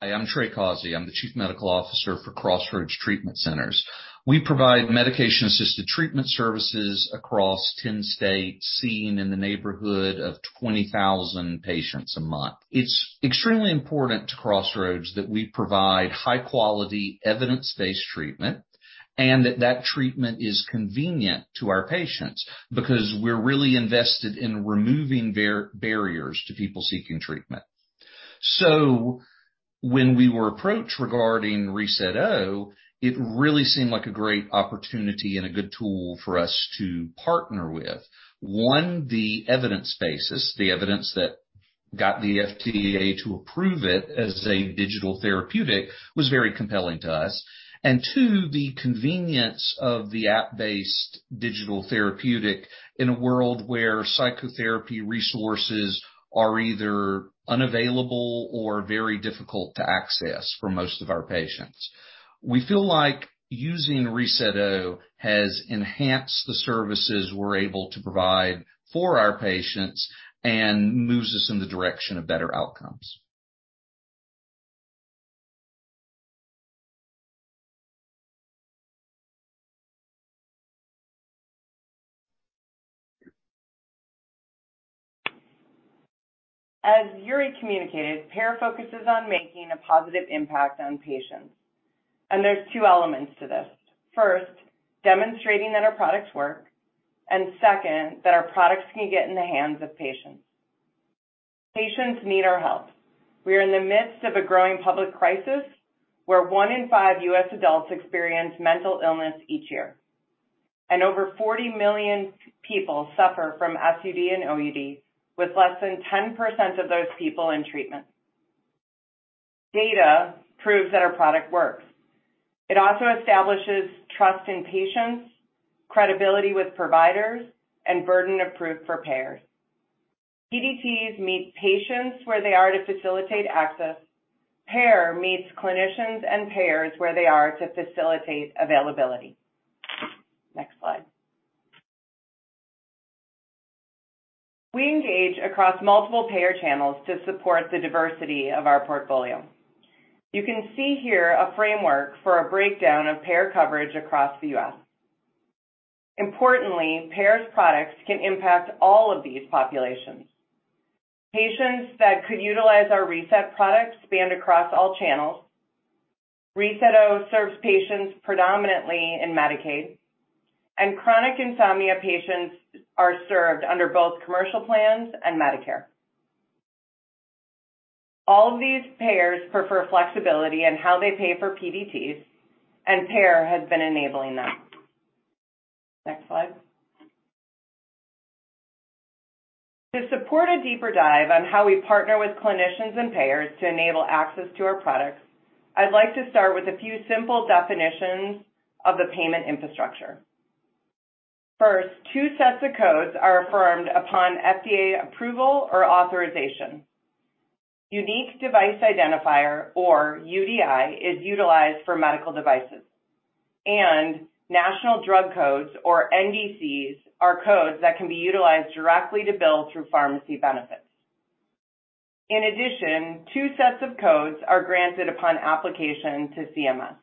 Hi, I'm Trey Causey. I'm the Chief Medical Officer for Crossroads Treatment Centers. We provide medication-assisted treatment services across 10 states, seeing in the neighborhood of 20,000 patients a month. It's extremely important to Crossroads that we provide high-quality, evidence-based treatment and that that treatment is convenient to our patients because we're really invested in removing barriers to people seeking treatment. When we were approached regarding reSET-O, it really seemed like a great opportunity and a good tool for us to partner with. One, the evidence base, the evidence that got the FDA to approve it as a digital therapeutic was very compelling to us. Two, the convenience of the app-based digital therapeutic in a world where psychotherapy resources are either unavailable or very difficult to access for most of our patients. We feel like using reSET-O has enhanced the services we're able to provide for our patients and moves us in the direction of better outcomes. As Yuri communicated, Pear focuses on making a positive impact on patients, and there's two elements to this. First, demonstrating that our products work, and second, that our products can get in the hands of patients. Patients need our help. We are in the midst of a growing public crisis where one in five U.S. adults experience mental illness each year, and over 40 million people suffer from SUD and OUD, with less than 10% of those people in treatment. Data proves that our product works. It also establishes trust in patients, credibility with providers, and burden of proof for payers. PDTs meet patients where they are to facilitate access. Pear meets clinicians and payers where they are to facilitate availability. Next slide. We engage across multiple payer channels to support the diversity of our portfolio. You can see here a framework for a breakdown of payer coverage across the U.S. Importantly, Pear's products can impact all of these populations. Patients that could utilize our reSET product span across all channels. reSET-O serves patients predominantly in Medicaid. Chronic insomnia patients are served under both commercial plans and Medicare. All of these payers prefer flexibility in how they pay for PDTs, and Pear has been enabling that. Next slide. To support a deeper dive on how we partner with clinicians and payers to enable access to our products, I'd like to start with a few simple definitions of the payment infrastructure. First, two sets of codes are affirmed upon FDA approval or authorization. Unique Device Identifier, or UDI, is utilized for medical devices. National Drug Codes, or NDCs, are codes that can be utilized directly to bill through pharmacy benefits. In addition, two sets of codes are granted upon application to CMS.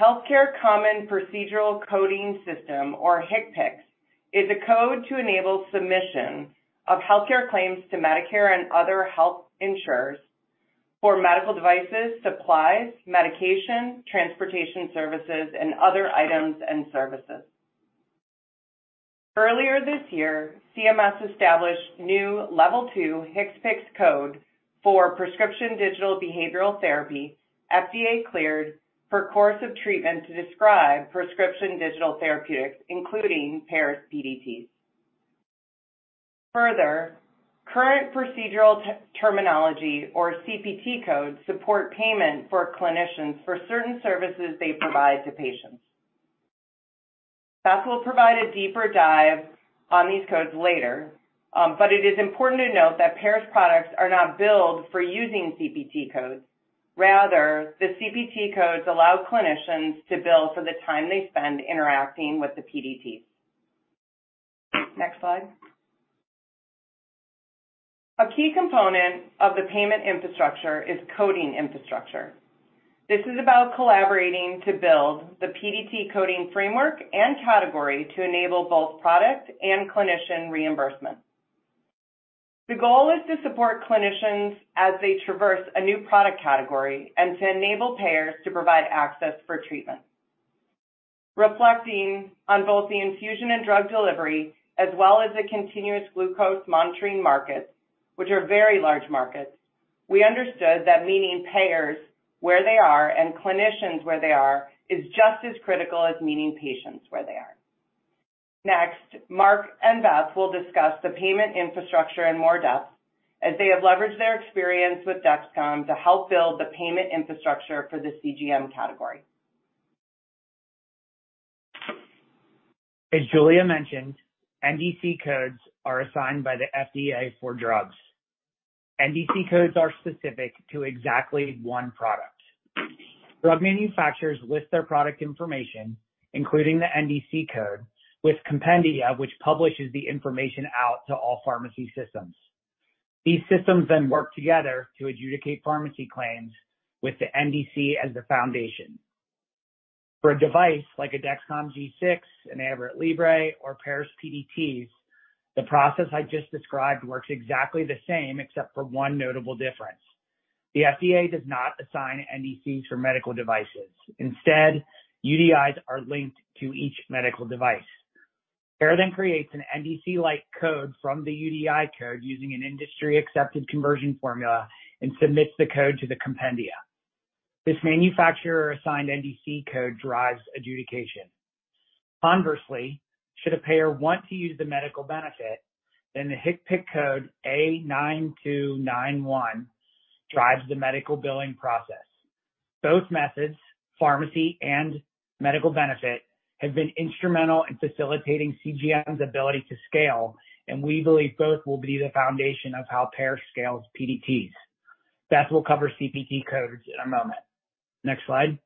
Healthcare Common Procedure Coding System, or HCPCS, is a code to enable submission of healthcare claims to Medicare and other health insurers for medical devices, supplies, medications, transportation services, and other items and services. Earlier this year, CMS established new Level II HCPCS code for prescription digital behavioral therapy FDA cleared for course of treatment to describe prescription digital therapeutics, including Pear's PDTs. Further, Current Procedural Terminology, or CPT codes, support payment for clinicians for certain services they provide to patients. Beth will provide a deeper dive on these codes later, but it is important to note that Pear's products are not billed for using CPT codes. Rather, the CPT codes allow clinicians to bill for the time they spend interacting with the PDTs. Next slide. A key component of the payment infrastructure is coding infrastructure. This is about collaborating to build the PDT coding framework and category to enable both product and clinician reimbursement. The goal is to support clinicians as they traverse a new product category and to enable payers to provide access for treatment. Reflecting on both the infusion and drug delivery as well as the continuous glucose monitoring markets, which are very large markets. We understood that meeting payers where they are and clinicians where they are is just as critical as meeting patients where they are. Next, Mark and Beth will discuss the payment infrastructure in more depth as they have leveraged their experience with Dexcom to help build the payment infrastructure for the CGM category. As Julia mentioned, NDC codes are assigned by the FDA for drugs. NDC codes are specific to exactly one product. Drug manufacturers list their product information, including the NDC code, with compendia, which publishes the information out to all pharmacy systems. These systems then work together to adjudicate pharmacy claims with the NDC as the foundation. For a device like a Dexcom G6, an Abbott Libre or Pear's PDTs, the process I just described works exactly the same except for one notable difference. The FDA does not assign NDCs for medical devices. Instead, UDIs are linked to each medical device. Pear then creates an NDC-like code from the UDI code using an industry-accepted conversion formula and submits the code to the compendia. This manufacturer-assigned NDC code drives adjudication. Conversely, should a payer want to use the medical benefit, then the HCPCS code A9291 drives the medical billing process. Both methods, pharmacy and medical benefit, have been instrumental in facilitating CGM's ability to scale, and we believe both will be the foundation of how Pear scales PDTs. Beth will cover CPT codes in a moment. Next slide.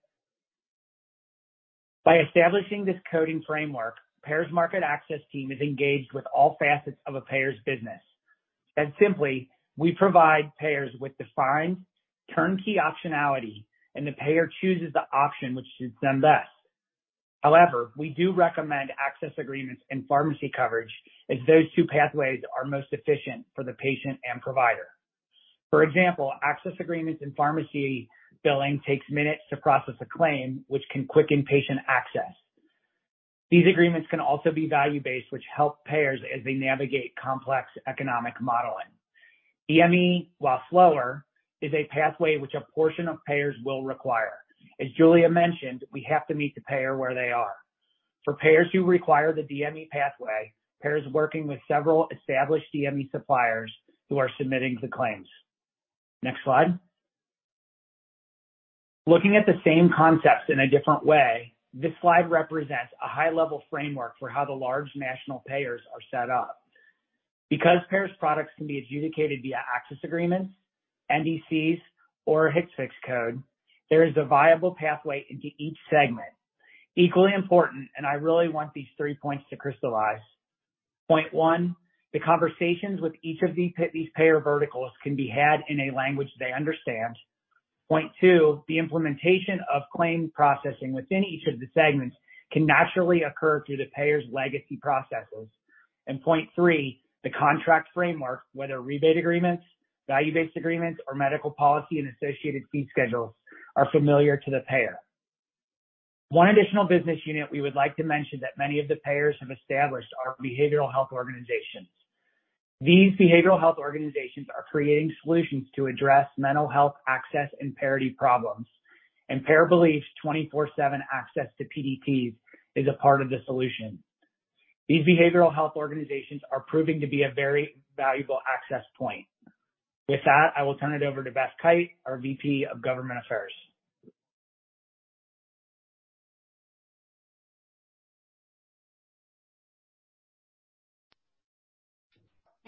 By establishing this coding framework, Pear's market access team is engaged with all facets of a payer's business. Said simply, we provide payers with defined turnkey optionality, and the payer chooses the option which suits them best. However, we do recommend access agreements and pharmacy coverage as those two pathways are most efficient for the patient and provider. For example, access agreements and pharmacy billing takes minutes to process a claim which can quicken patient access. These agreements can also be value-based, which help payers as they navigate complex economic modeling. DME, while slower, is a pathway which a portion of payers will require. As Julia mentioned, we have to meet the payer where they are. For payers who require the DME pathway, Pear is working with several established DME suppliers who are submitting the claims. Next slide. Looking at the same concepts in a different way, this slide represents a high-level framework for how the large national payers are set up. Because Pear's products can be adjudicated via access agreements, NDCs or a HCPCS code, there is a viable pathway into each segment. Equally important, and I really want these three points to crystallize. Point one, the conversations with each of these payer verticals can be had in a language they understand. Point two, the implementation of claim processing within each of the segments can naturally occur through the payer's legacy processes. Point three, the contract framework, whether rebate agreements, value-based agreements, or medical policy and associated fee schedules, are familiar to the payer. One additional business unit we would like to mention that many of the payers have established are behavioral health organizations. These behavioral health organizations are creating solutions to address mental health access and parity problems, and Pear believes 24/7 access to PDTs is a part of the solution. These behavioral health organizations are proving to be a very valuable access point. With that, I will turn it over to Beth Keyt, our VP of Government Affairs.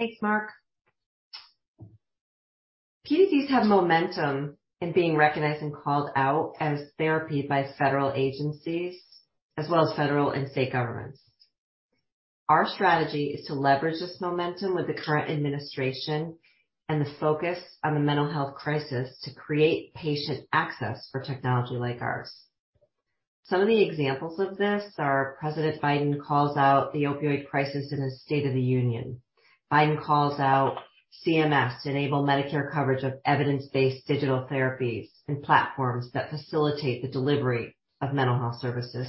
Thanks, Mark. PDTs have momentum in being recognized and called out as therapy by federal agencies as well as federal and state governments. Our strategy is to leverage this momentum with the current administration and the focus on the mental health crisis to create patient access for technology like ours. Some of the examples of this are President Biden calls out the opioid crisis in his State of the Union. Biden calls out CMS to enable Medicare coverage of evidence-based digital therapies and platforms that facilitate the delivery of mental health services.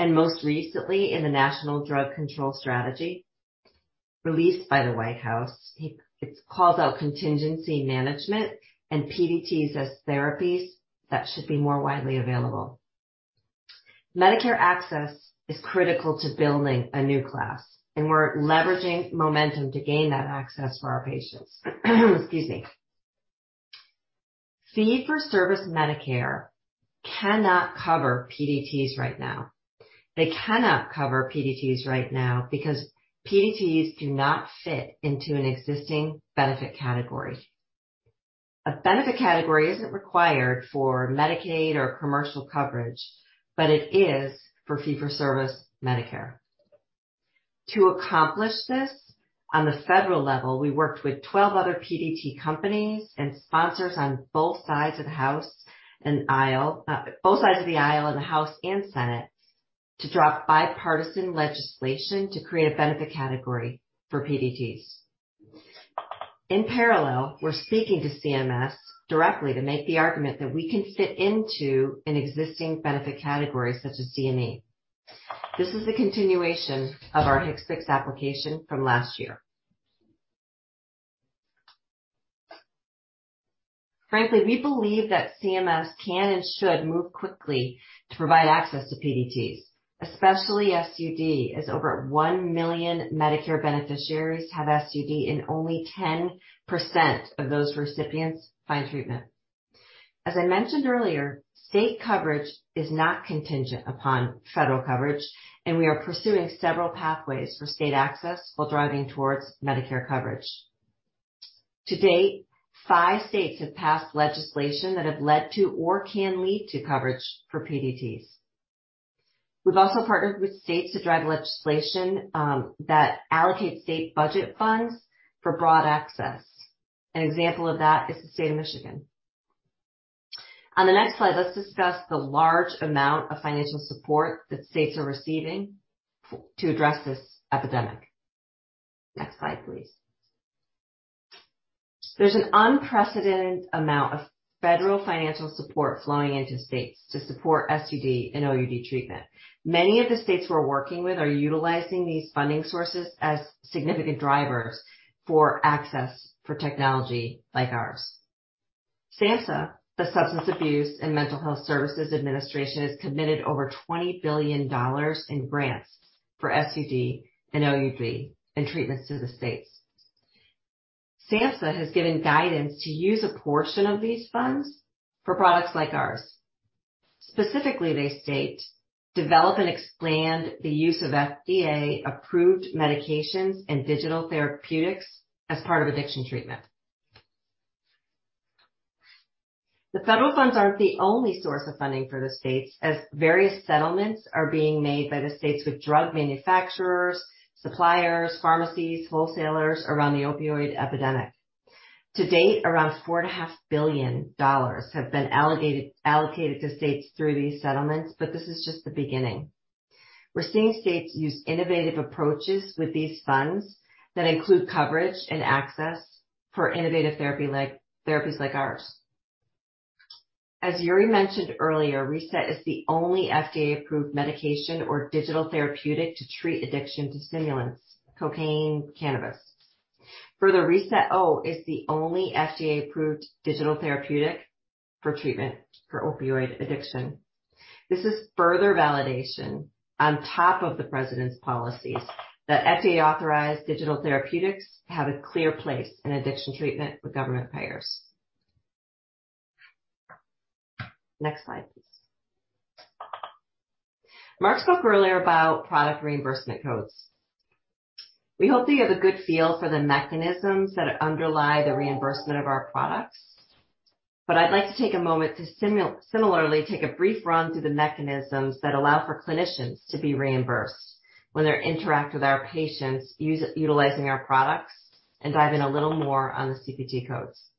Most recently, in the National Drug Control Strategy released by the White House, it calls out contingency management and PDTs as therapies that should be more widely available. Medicare access is critical to building a new class, and we're leveraging momentum to gain that access for our patients. Excuse me. Fee-for-service Medicare cannot cover PDTs right now. They cannot cover PDTs right now because PDTs do not fit into an existing benefit category. A benefit category isn't required for Medicaid or commercial coverage, but it is for Fee-for-Service Medicare. To accomplish this on the federal level, we worked with 12 other PDT companies and sponsors on both sides of the aisle in the House and Senate to draft bipartisan legislation to create a benefit category for PDTs. In parallel, we're speaking to CMS directly to make the argument that we can fit into an existing benefit category such as DME. This is the continuation of our HCPCS application from last year. Frankly, we believe that CMS can and should move quickly to provide access to PDTs, especially SUD, as over 1 million Medicare beneficiaries have SUD, and only 10% of those recipients find treatment. As I mentioned earlier, state coverage is not contingent upon federal coverage, and we are pursuing several pathways for state access while driving towards Medicare coverage. To date, five states have passed legislation that have led to or can lead to coverage for PDTs. We've also partnered with states to drive legislation that allocates state budget funds for broad access. An example of that is the state of Michigan. On the next slide, let's discuss the large amount of financial support that states are receiving to address this epidemic. Next slide, please. There's an unprecedented amount of federal financial support flowing into states to support SUD and OUD treatment. Many of the states we're working with are utilizing these funding sources as significant drivers for access for technology like ours. SAMHSA, the Substance Abuse and Mental Health Services Administration, has committed over $20 billion in grants for SUD and OUD and treatments to the states. SAMHSA has given guidance to use a portion of these funds for products like ours. Specifically, they state, "Develop and expand the use of FDA-approved medications and digital therapeutics as part of addiction treatment." The federal funds aren't the only source of funding for the states, as various settlements are being made by the states with drug manufacturers, suppliers, pharmacies, wholesalers around the opioid epidemic. To date, around $4.5 billion have been allocated to states through these settlements, but this is just the beginning. We're seeing states use innovative approaches with these funds that include coverage and access for innovative therapies like ours. As Yuri mentioned earlier, reSET is the only FDA-approved medication or digital therapeutic to treat addiction to stimulants, cocaine, cannabis. Further, reSET-O is the only FDA-approved digital therapeutic for treatment for opioid addiction. This is further validation on top of the president's policies that FDA-authorized digital therapeutics have a clear place in addiction treatment with government payers. Next slide, please. Mark spoke earlier about product reimbursement codes. We hope that you have a good feel for the mechanisms that underlie the reimbursement of our products, but I'd like to take a moment to similarly take a brief run through the mechanisms that allow for clinicians to be reimbursed when they interact with our patients utilizing our products, and dive in a little more on the CPT codes.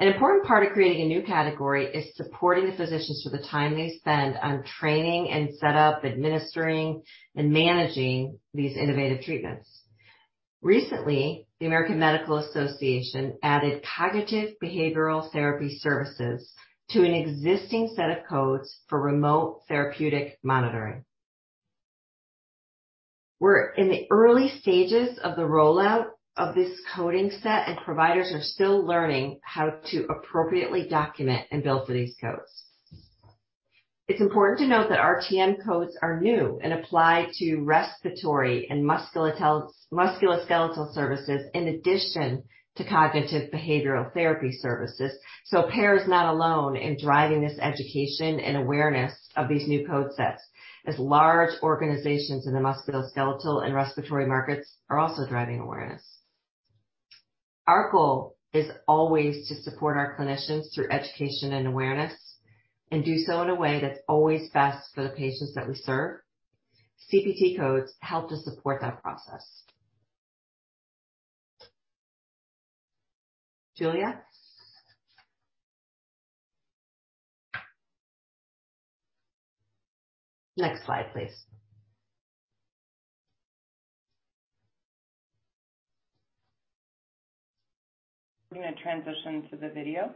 An important part of creating a new category is supporting the physicians for the time they spend on training and setup, administering and managing these innovative treatments. Recently, the American Medical Association added Cognitive Behavioral Therapy services to an existing set of codes for remote therapeutic monitoring. We're in the early stages of the rollout of this coding set, and providers are still learning how to appropriately document and bill for these codes. It's important to note that RTM codes are new and apply to respiratory and musculoskeletal services in addition to cognitive behavioral therapy services. Pear is not alone in driving this education and awareness of these new code sets, as large organizations in the musculoskeletal and respiratory markets are also driving awareness. Our goal is always to support our clinicians through education and awareness and do so in a way that's always best for the patients that we serve. CPT codes help to support that process. Julia? Next slide, please. We're gonna transition to the video.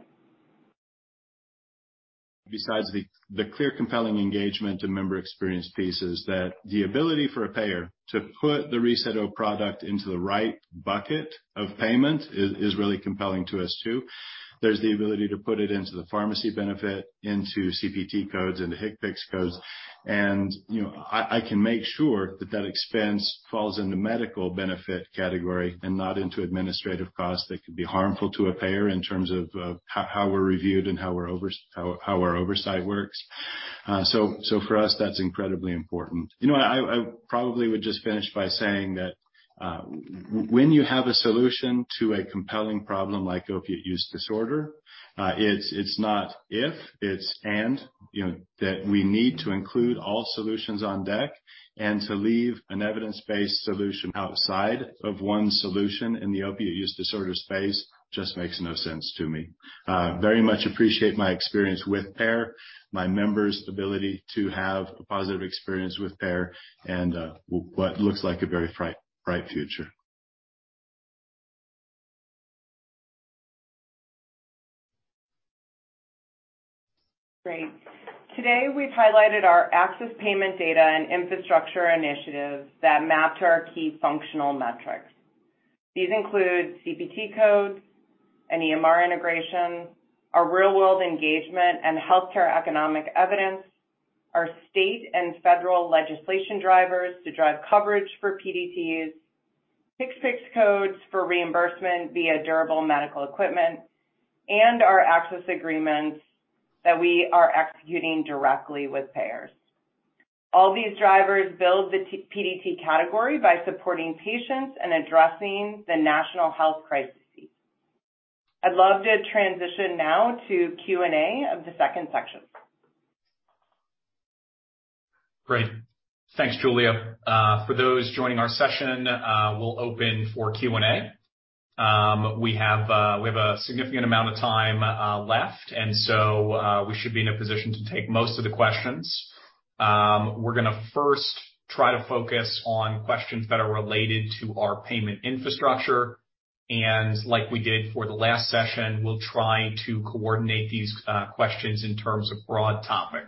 Besides the clear compelling engagement and member experience pieces that the ability for a payer to put the reSET-O product into the right bucket of payment is really compelling to us too. There's the ability to put it into the pharmacy benefit, into CPT codes, into HCPCS codes. You know, I can make sure that that expense falls in the medical benefit category and not into administrative costs that could be harmful to a payer in terms of how we're reviewed and how our oversight works. So for us, that's incredibly important. You know what? I probably would just finish by saying that when you have a solution to a compelling problem like opiate use disorder, it's not if, it's and. You know, that we need to include all solutions on deck, and to leave an evidence-based solution outside of one solution in the opioid use disorder space just makes no sense to me. Very much appreciate my experience with Pear, my members' ability to have a positive experience with Pear and what looks like a very bright future. Great. Today, we've highlighted our access payment data and infrastructure initiatives that map to our key functional metrics. These include CPT codes and EMR integration, our real-world engagement and healthcare economic evidence, our state and federal legislation drivers to drive coverage for PDTs, HCPCS codes for reimbursement via durable medical equipment, and our access agreements that we are executing directly with payers. All these drivers build the PDT category by supporting patients and addressing the national health crisis. I'd love to transition now to Q&A of the second section. Great. Thanks, Julia. For those joining our session, we'll open for Q&A. We have a significant amount of time left, so we should be in a position to take most of the questions. We're gonna first try to focus on questions that are related to our payment infrastructure, and like we did for the last session, we'll try to coordinate these questions in terms of broad topic.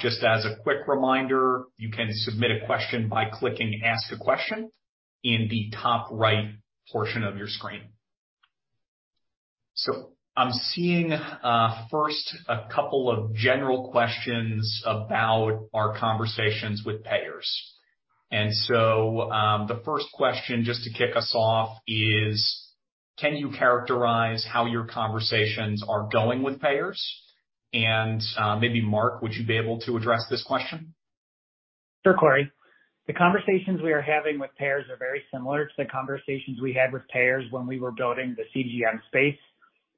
Just as a quick reminder, you can submit a question by clicking Ask a Question in the top right portion of your screen. I'm seeing first a couple of general questions about our conversations with payers. The first question, just to kick us off is, can you characterize how your conversations are going with payers? Maybe Mark, would you be able to address this question? Sure, Corey. The conversations we are having with payers are very similar to the conversations we had with payers when we were building the CGM space.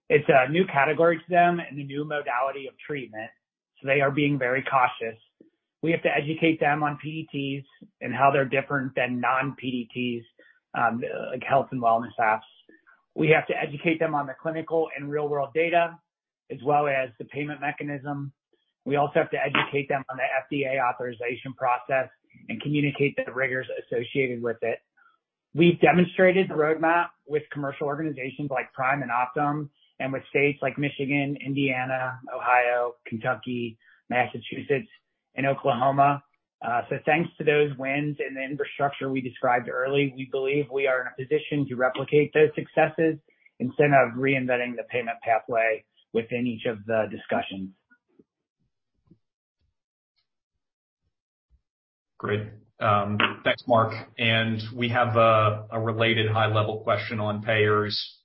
It's a new category to them and a new modality of treatment, so they are being very cautious. We have to educate them on PDTs and how they're different than non-PDTs, like health and wellness apps. We have to educate them on the clinical and real-world data, as well as the payment mechanism. We also have to educate them on the FDA authorization process and communicate the rigors associated with it. We've demonstrated the roadmap with commercial organizations like Prime and Optum, and with states like Michigan, Indiana, Ohio, Kentucky, Massachusetts, and Oklahoma. Thanks to those wins and the infrastructure we described early, we believe we are in a position to replicate those successes instead of reinventing the payment pathway within each of the discussions. Great. Thanks, Mark. We have a related high-level question on payers.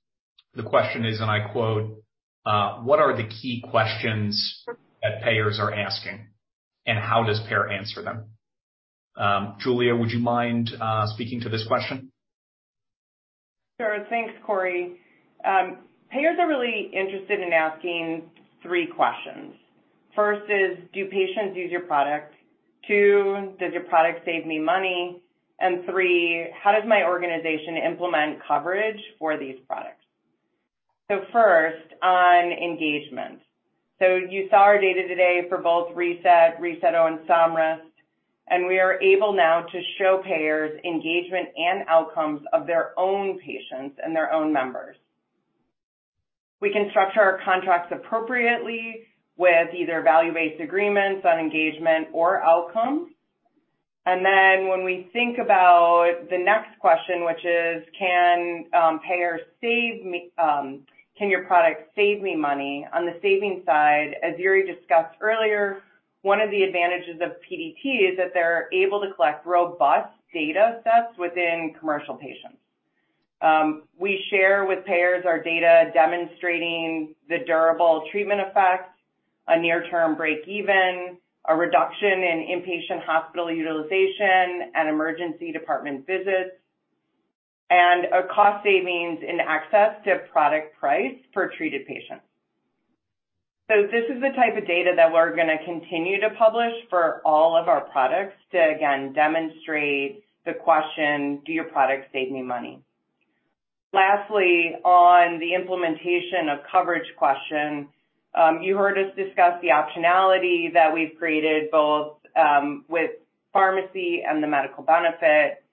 The question is, and I quote, "What are the key questions that payers are asking, and how does Pear answer them?" Julia, would you mind speaking to this question? Sure. Thanks, Corey. Payers are really interested in asking three questions. First is, do patients use your product? Two, does your product save me money? And three, how does my organization implement coverage for these products? First, on engagement. You saw our data today for both reSET-O, and Somryst, and we are able now to show payers engagement and outcomes of their own patients and their own members. We can structure our contracts appropriately with either value-based agreements on engagement or outcomes. When we think about the next question, which is, can your product save me money? On the savings side, as Yuri discussed earlier, one of the advantages of PDT is that they're able to collect robust datasets within commercial patients. We share with payers our data demonstrating the durable treatment effects, a near-term breakeven, a reduction in inpatient hospital utilization and emergency department visits, and a cost savings in access to product price per treated patient. This is the type of data that we're gonna continue to publish for all of our products to, again, demonstrate the question, do your products save me money? Lastly, on the implementation of coverage question, you heard us discuss the optionality that we've created both, with pharmacy and the medical benefit,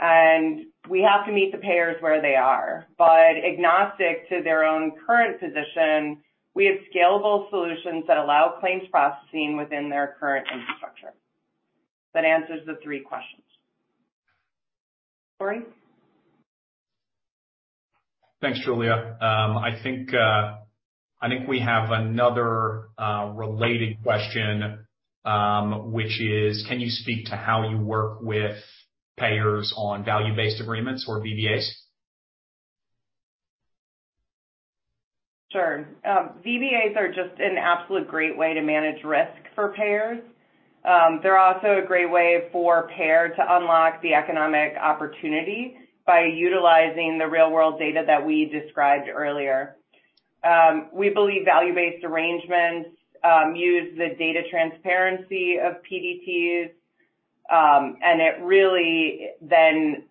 and we have to meet the payers where they are. Agnostic to their own current position, we have scalable solutions that allow claims processing within their current infrastructure. That answers the three questions. Corey? Thanks, Julia. I think we have another related question, which is, can you speak to how you work with payers on value-based agreements or VBAs? Sure. VBAs are just an absolute great way to manage risk for payers. They're also a great way for payer to unlock the economic opportunity by utilizing the real-world data that we described earlier. We believe value-based arrangements use the data transparency of PDTs, and it really then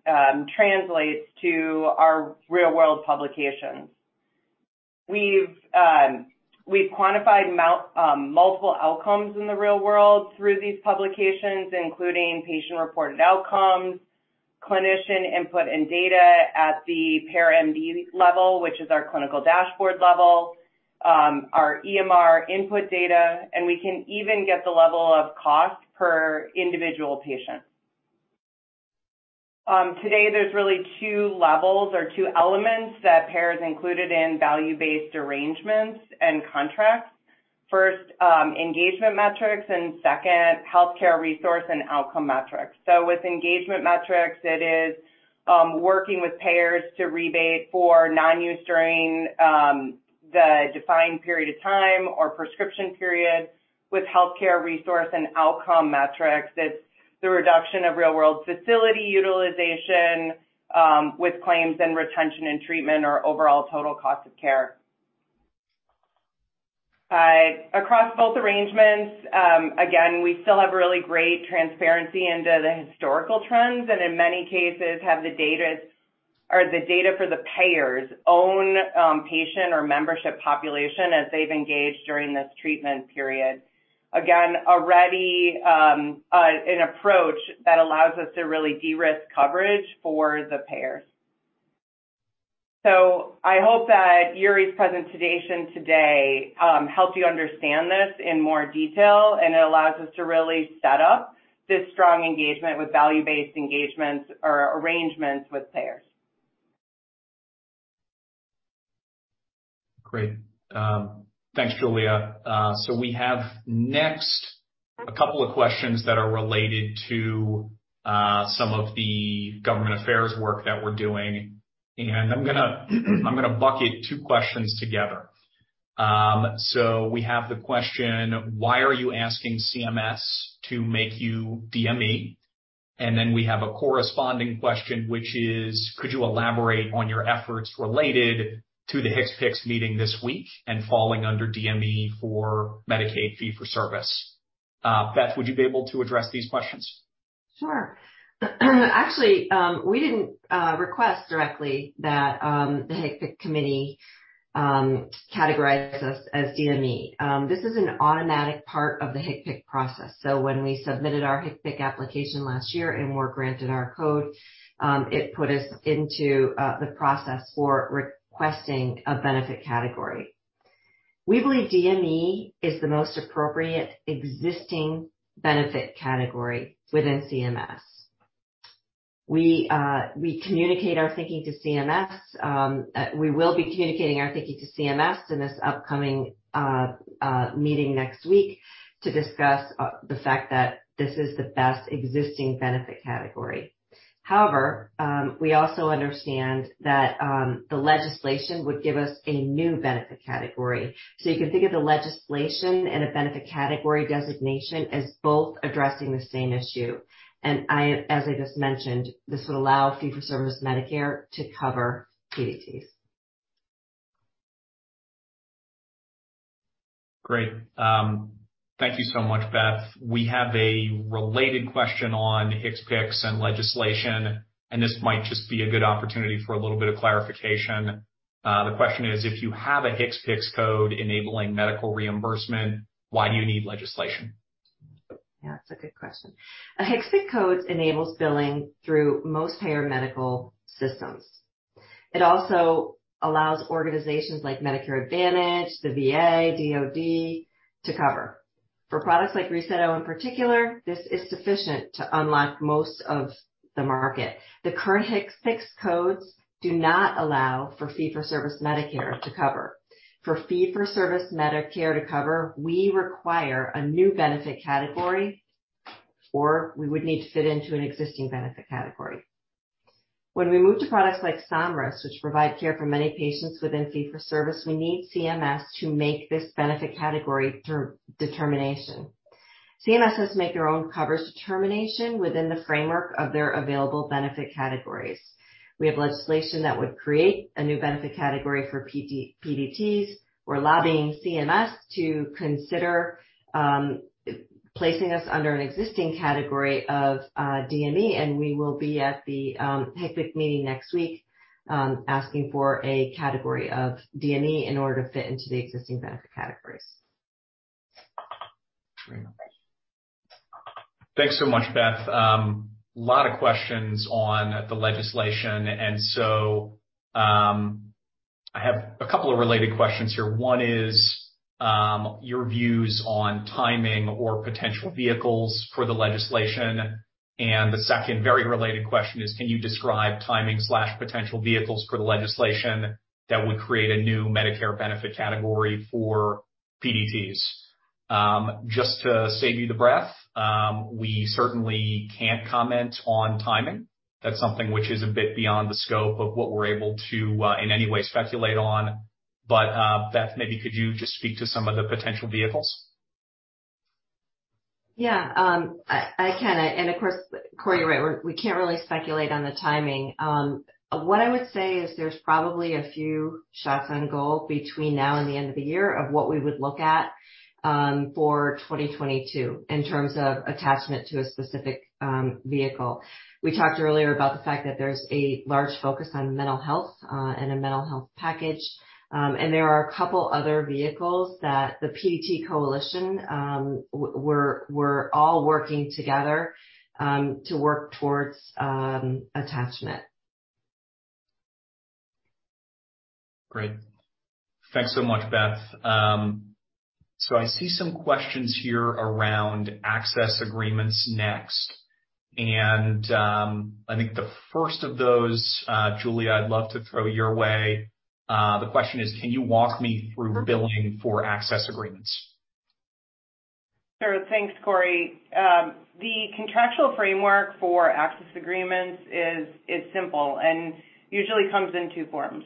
translates to our real-world publications. We've quantified multiple outcomes in the real world through these publications, including patient-reported outcomes, clinician input and data at the payer and DV level, which is our clinical dashboard level, our EMR input data, and we can even get the level of cost per individual patient. Today there's really two levels or two elements that payers included in value-based arrangements and contracts. First, engagement metrics and second, healthcare resource and outcome metrics. With engagement metrics, it is working with payers to rebate for non-use during the defined period of time or prescription period. With healthcare resource and outcome metrics, it's the reduction of real world facility utilization with claims and retention and treatment or overall total cost of care. Across both arrangements, again, we still have really great transparency into the historical trends, and in many cases have the data for the payer's own patient or membership population as they've engaged during this treatment period. Again, already, an approach that allows us to really de-risk coverage for the payers. I hope that Yuri's presentation today helped you understand this in more detail, and it allows us to really set up this strong engagement with value-based engagements or arrangements with payers. Great. Thanks, Julia. So we have next a couple of questions that are related to some of the government affairs work that we're doing. I'm gonna bucket two questions together. So we have the question: Why are you asking CMS to make you DME? Then we have a corresponding question, which is: Could you elaborate on your efforts related to the HCPCS meeting this week and falling under DME for Medicaid fee for service? Beth, would you be able to address these questions? Sure. Actually, we didn't request directly that the HCPCS committee categorizes us as DME. This is an automatic part of the HCPCS process. When we submitted our HCPCS application last year and were granted our code, it put us into the process for requesting a benefit category. We believe DME is the most appropriate existing benefit category within CMS. We communicate our thinking to CMS. We will be communicating our thinking to CMS in this upcoming meeting next week to discuss the fact that this is the best existing benefit category. However, we also understand that the legislation would give us a new benefit category. You can think of the legislation and a benefit category designation as both addressing the same issue. I, as I just mentioned, this would allow Fee-for-Service Medicare to cover PDTs. Great. Thank you so much, Beth. We have a related question on HCPCS and legislation, and this might just be a good opportunity for a little bit of clarification. The question is: If you have a HCPCS code enabling medical reimbursement, why do you need legislation? Yeah, that's a good question. A HCPCS code enables billing through most payer medical systems. It also allows organizations like Medicare Advantage, the VA, DoD to cover. For products like reSET in particular, this is sufficient to unlock most of the market. The current HCPCS codes do not allow for Fee-for-Service Medicare to cover. For Fee-for-Service Medicare to cover, we require a new benefit category, or we would need to fit into an existing benefit category. When we move to products like Somryst, which provide care for many patients within Fee-for-Service, we need CMS to make this benefit category determination. CMS has to make their own coverage determination within the framework of their available benefit categories. We have legislation that would create a new benefit category for PDTs. We're lobbying CMS to consider placing us under an existing category of DME, and we will be at the HCPCS meeting next week, asking for a category of DME in order to fit into the existing benefit categories. Thanks so much, Beth. A lot of questions on the legislation, so I have a couple of related questions here. One is your views on timing or potential vehicles for the legislation. The second very related question is: Can you describe timing or potential vehicles for the legislation that would create a new Medicare benefit category for PDTs? Just to save you the breath, we certainly can't comment on timing. That's something which is a bit beyond the scope of what we're able to in any way speculate on. Beth, maybe could you just speak to some of the potential vehicles? Yeah. I can. Of course, Corey, you're right. We can't really speculate on the timing. What I would say is there's probably a few shots on goal between now and the end of the year of what we would look at for 2022 in terms of attachment to a specific vehicle. We talked earlier about the fact that there's a large focus on mental health and a mental health package. There are a couple other vehicles that the PDT Coalition, we're all working together to work towards attachment. Great. Thanks so much, Beth. I see some questions here around access agreements next. I think the first of those, Julia, I'd love to throw your way. The question is, can you walk me through billing for access agreements? Sure. Thanks, Corey. The contractual framework for access agreements is simple and usually comes in two forms.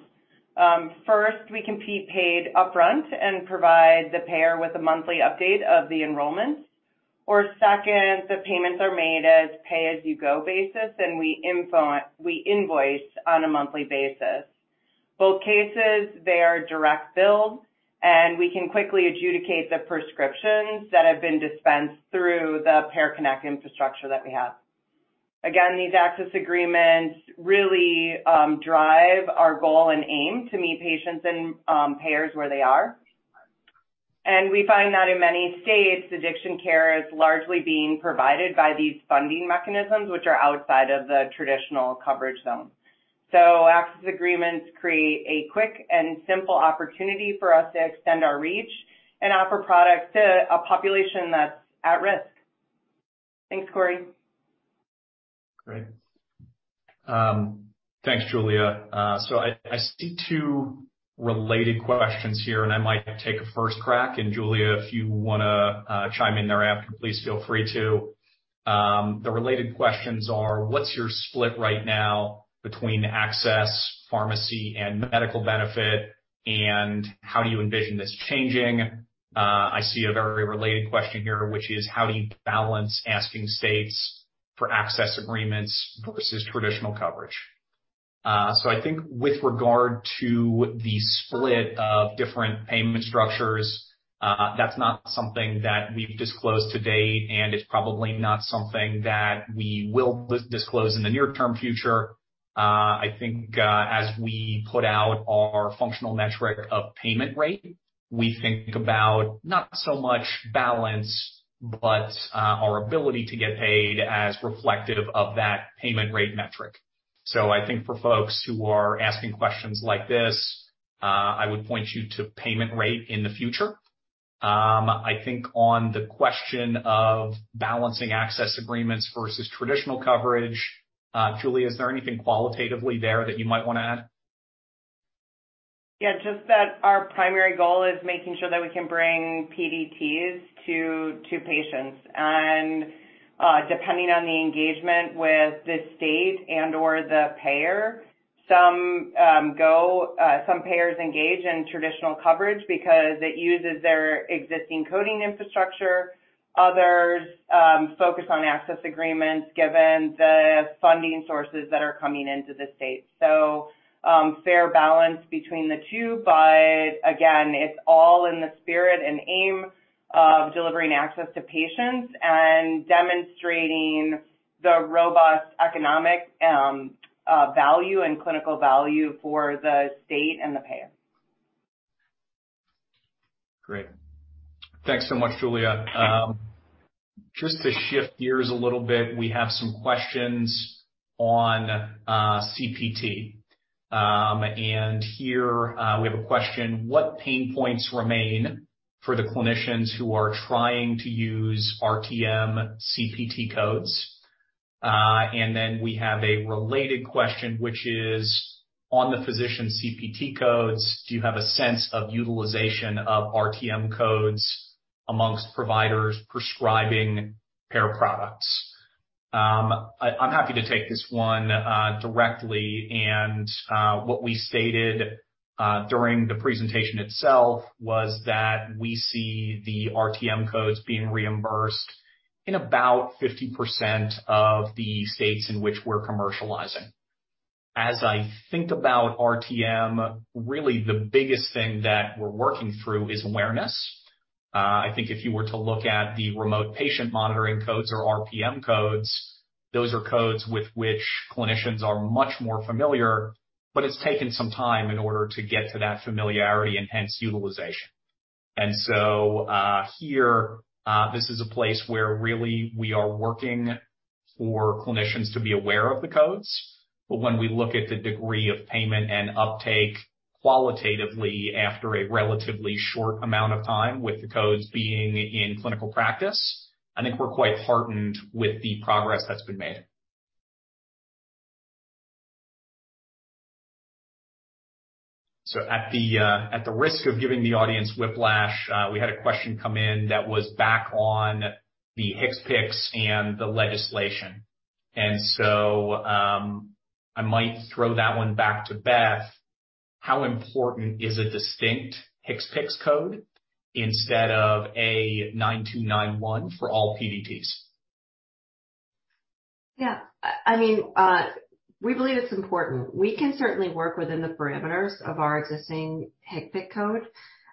First, we can be paid upfront and provide the payer with a monthly update of the enrollments. Or second, the payments are made as pay-as-you-go basis, and we invoice on a monthly basis. Both cases, they are direct billed, and we can quickly adjudicate the prescriptions that have been dispensed through the PearConnect infrastructure that we have. Again, these access agreements really drive our goal and aim to meet patients and payers where they are. We find that in many states, addiction care is largely being provided by these funding mechanisms, which are outside of the traditional coverage zone. Access agreements create a quick and simple opportunity for us to extend our reach and offer products to a population that's at risk. Thanks, Corey. Great. Thanks, Julia. I see two related questions here, and I might take a first crack. Julia, if you wanna chime in thereafter, please feel free to. The related questions are what's your split right now between access, pharmacy and medical benefit, and how do you envision this changing? I see a very related question here, which is how do you balance asking states for access agreements versus traditional coverage? I think with regard to the split of different payment structures, that's not something that we've disclosed to date, and it's probably not something that we will disclose in the near-term future. I think, as we put out our functional metric of payment rate, we think about not so much balance, but our ability to get paid as reflective of that payment rate metric. I think for folks who are asking questions like this, I would point you to payment rate in the future. I think on the question of balancing access agreements versus traditional coverage, Julia, is there anything qualitatively there that you might wanna add? Yeah, just that our primary goal is making sure that we can bring PDTs to patients. Depending on the engagement with the state and/or the payer, some payers engage in traditional coverage because it uses their existing coding infrastructure. Others focus on access agreements given the funding sources that are coming into the state. Fair balance between the two. Again, it's all in the spirit and aim of delivering access to patients and demonstrating the robust economic value and clinical value for the state and the payer. Great. Thanks so much, Julia. Just to shift gears a little bit, we have some questions on CPT. Here, we have a question: What pain points remain for the clinicians who are trying to use RTM CPT codes? Then we have a related question, which is: On the physician CPT codes, do you have a sense of utilization of RTM codes amongst providers prescribing Pear products? I'm happy to take this one directly. What we stated during the presentation itself was that we see the RTM codes being reimbursed in about 50% of the states in which we're commercializing. As I think about RTM, really the biggest thing that we're working through is awareness. I think if you were to look at the remote patient monitoring codes or RPM codes, those are codes with which clinicians are much more familiar, but it's taken some time in order to get to that familiarity and hence utilization. This is a place where really we are working for clinicians to be aware of the codes. When we look at the degree of payment and uptake qualitatively after a relatively short amount of time with the codes being in clinical practice, I think we're quite heartened with the progress that's been made. At the risk of giving the audience whiplash, we had a question come in that was back on the HCPCS and the legislation. I might throw that one back to Beth. How important is a distinct HCPCS code instead of A9291 for all PDTs? Yeah. I mean, we believe it's important. We can certainly work within the parameters of our existing HCPCS code.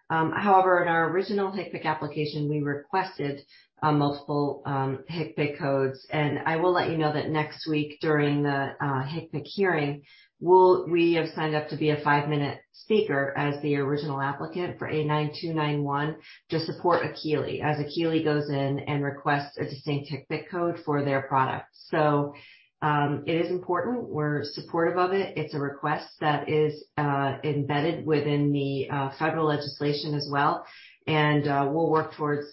However, in our original HCPCS application, we requested multiple HCPCS codes. I will let you know that next week during the HCPCS hearing, we have signed up to be a five-minute speaker as the original applicant for A9291 to support Akili. As Akili goes in and requests a distinct HCPCS code for their product. It is important. We're supportive of it. It's a request that is embedded within the federal legislation as well, and we'll work towards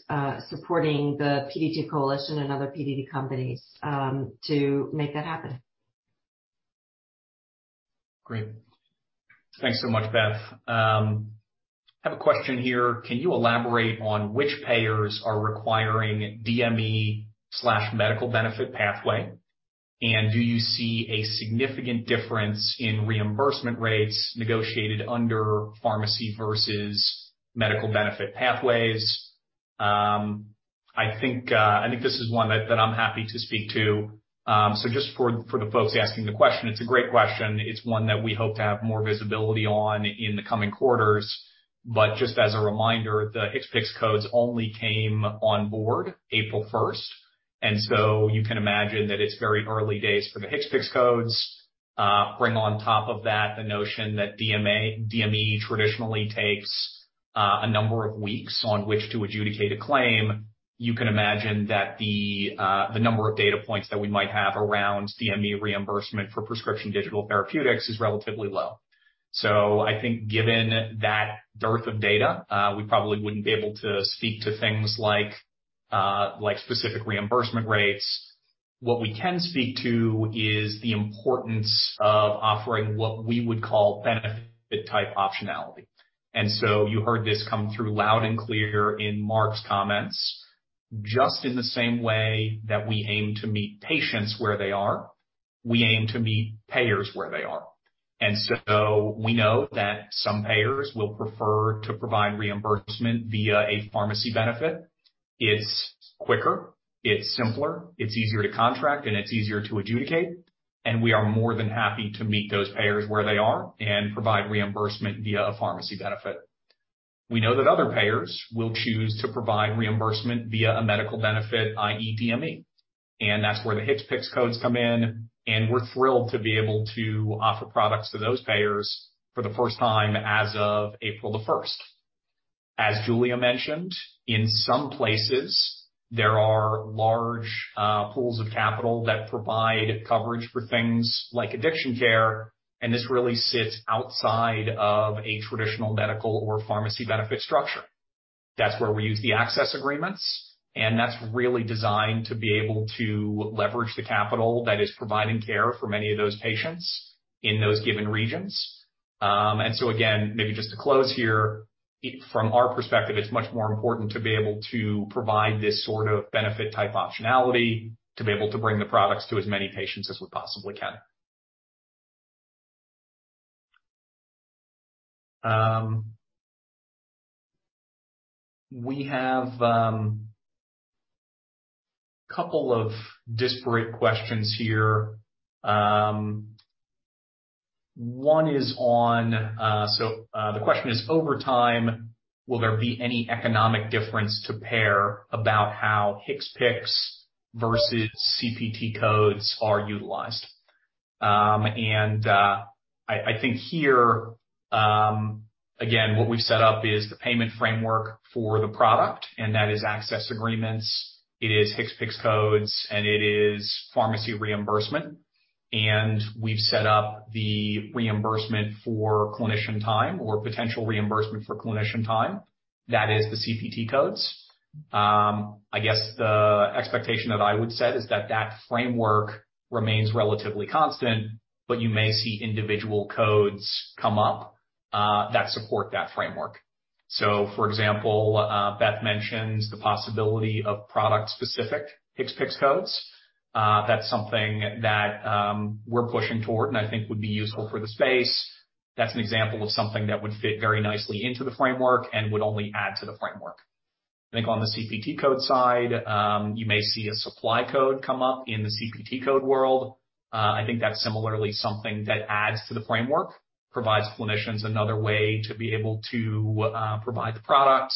supporting the PDT Coalition and other PDT companies to make that happen. Great. Thanks so much, Beth. Have a question here. Can you elaborate on which payers are requiring DME/medical benefit pathway? And do you see a significant difference in reimbursement rates negotiated under pharmacy versus medical benefit pathways? I think this is one that I'm happy to speak to. So just for the folks asking the question, it's a great question. It's one that we hope to have more visibility on in the coming quarters. Just as a reminder, the HCPCS codes only came on board April 1st. You can imagine that it's very early days for the HCPCS codes. Bring on top of that the notion that DME traditionally takes a number of weeks on which to adjudicate a claim. You can imagine that the number of data points that we might have around DME reimbursement for prescription digital therapeutics is relatively low. I think given that dearth of data, we probably wouldn't be able to speak to things like specific reimbursement rates. What we can speak to is the importance of offering what we would call benefit type optionality. You heard this come through loud and clear in Mark's comments. Just in the same way that we aim to meet patients where they are, we aim to meet payers where they are. We know that some payers will prefer to provide reimbursement via a pharmacy benefit. It's quicker, it's simpler, it's easier to contract, and it's easier to adjudicate. We are more than happy to meet those payers where they are and provide reimbursement via a pharmacy benefit. We know that other payers will choose to provide reimbursement via a medical benefit, i.e. DME, and that's where the HCPCS codes come in, and we're thrilled to be able to offer products to those payers for the first time as of April the 1st. As Julia mentioned, in some places, there are large pools of capital that provide coverage for things like addiction care, and this really sits outside of a traditional medical or pharmacy benefit structure. That's where we use the access agreements, and that's really designed to be able to leverage the capital that is providing care for many of those patients in those given regions. Again, maybe just to close here, from our perspective, it's much more important to be able to provide this sort of benefit type optionality to be able to bring the products to as many patients as we possibly can. We have a couple of disparate questions here. One is on the question: Over time, will there be any economic difference to payer about how HCPCS versus CPT codes are utilized? I think here, again, what we've set up is the payment framework for the product, and that is access agreements, it is HCPCS codes, and it is pharmacy reimbursement. We've set up the reimbursement for clinician time or potential reimbursement for clinician time. That is the CPT codes. I guess the expectation that I would set is that that framework remains relatively constant, but you may see individual codes come up that support that framework. For example, Beth mentions the possibility of product-specific HCPCS codes. That's something that we're pushing toward and I think would be useful for the space. That's an example of something that would fit very nicely into the framework and would only add to the framework. I think on the CPT code side, you may see a supply code come up in the CPT code world. I think that's similarly something that adds to the framework, provides clinicians another way to be able to provide the products,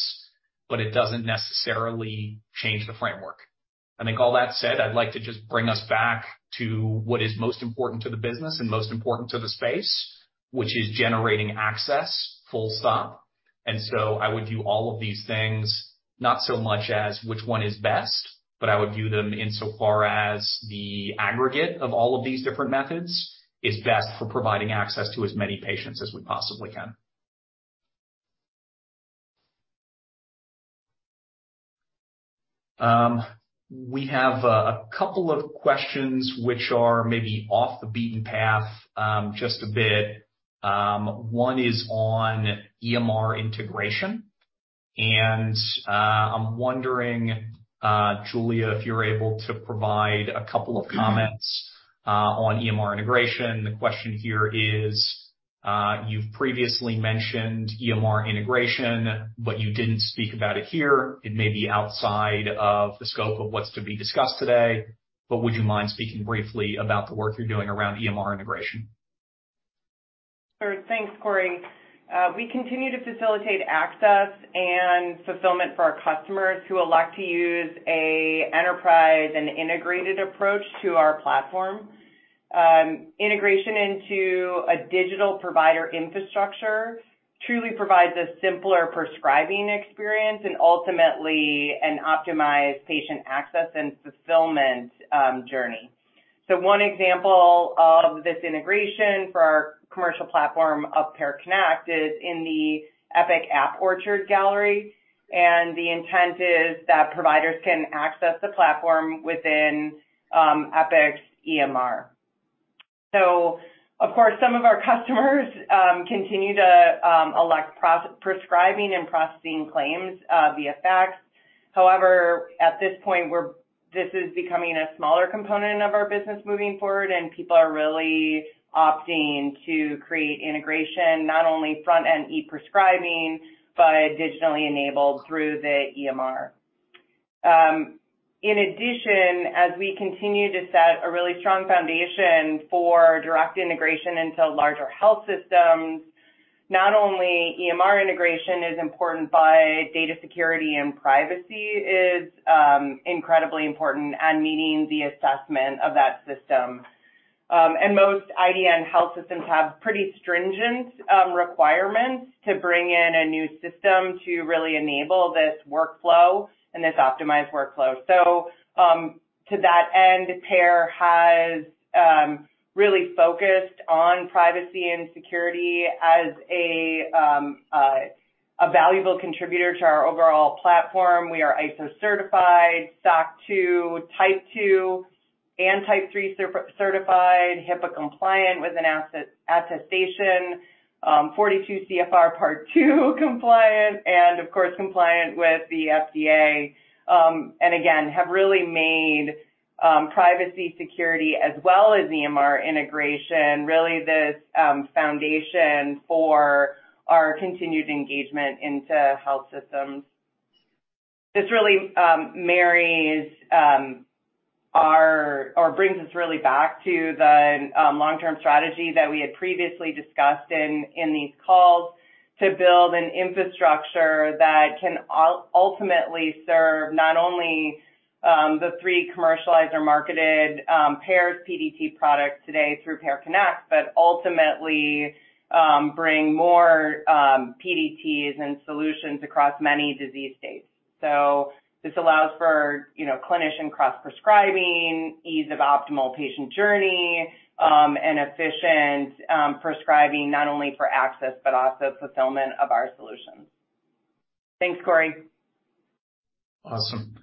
but it doesn't necessarily change the framework. I think all that said, I'd like to just bring us back to what is most important to the business and most important to the space, which is generating access, full stop. I would view all of these things not so much as which one is best, but I would view them insofar as the aggregate of all of these different methods is best for providing access to as many patients as we possibly can. We have a couple of questions which are maybe off the beaten path, just a bit. One is on EMR integration, and I'm wondering, Julia, if you're able to provide a couple of comments on EMR integration. The question here is, you've previously mentioned EMR integration, but you didn't speak about it here. It may be outside of the scope of what's to be discussed today, but would you mind speaking briefly about the work you're doing around EMR integration? Sure. Thanks, Corey. We continue to facilitate access and fulfillment for our customers who elect to use an enterprise and integrated approach to our platform. Integration into a digital provider infrastructure truly provides a simpler prescribing experience and ultimately an optimized patient access and fulfillment journey. One example of this integration for our commercial platform of PearConnect is in the Epic App Orchard Gallery. The intent is that providers can access the platform within Epic's EMR. Of course, some of our customers continue to elect prescribing and processing claims via fax. However, at this point, this is becoming a smaller component of our business moving forward, and people are really opting to create integration, not only front-end e-prescribing, but digitally enabled through the EMR. In addition, as we continue to set a really strong foundation for direct integration into larger health systems, not only EMR integration is important, but data security and privacy is incredibly important and meeting the assessment of that system. Most IDN health systems have pretty stringent requirements to bring in a new system to really enable this workflow and this optimized workflow. To that end, Pear has really focused on privacy and security as a valuable contributor to our overall platform. We are ISO certified, SOC 2 Type 2 and Type 3 certified, HIPAA compliant with an attestation, 42 CFR Part 2 compliant, and of course, compliant with the FDA. Again, have really made privacy and security as well as EMR integration really this foundation for our continued engagement into health systems. This really marries or brings us really back to the long-term strategy that we had previously discussed in these calls to build an infrastructure that can ultimately serve not only the three commercialized or marketed Pear's PDT products today through PearConnect, but ultimately bring more PDTs and solutions across many disease states. This allows for, you know, clinician cross-prescribing, ease of optimal patient journey, and efficient prescribing not only for access but also fulfillment of our solutions. Thanks, Corey. Awesome.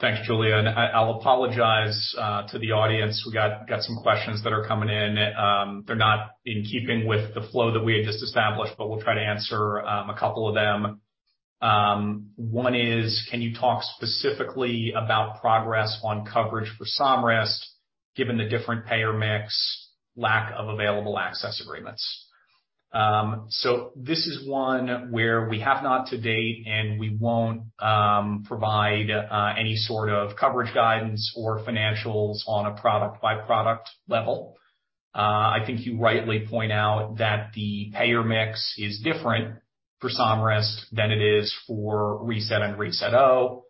Thanks, Julia. I'll apologize to the audience. We got some questions that are coming in. They're not in keeping with the flow that we had just established, but we'll try to answer a couple of them. One is, can you talk specifically about progress on coverage for Somryst given the different payer mix, lack of available access agreements? This is one where we have not to date, and we won't provide any sort of coverage guidance or financials on a product-by-product level. I think you rightly point out that the payer mix is different for Somryst than it is for reSET and reSET-O.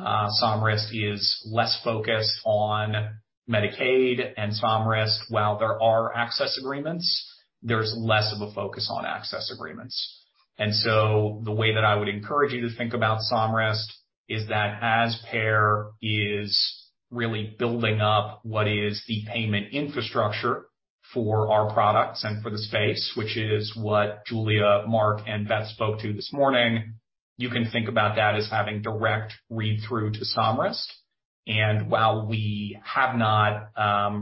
Somryst is less focused on Medicaid while there are access agreements, there's less of a focus on access agreements. The way that I would encourage you to think about Somryst is that as Pear is really building up what is the payment infrastructure for our products and for the space, which is what Julia, Mark, and Beth spoke to this morning, you can think about that as having direct read-through to Somryst. While we have not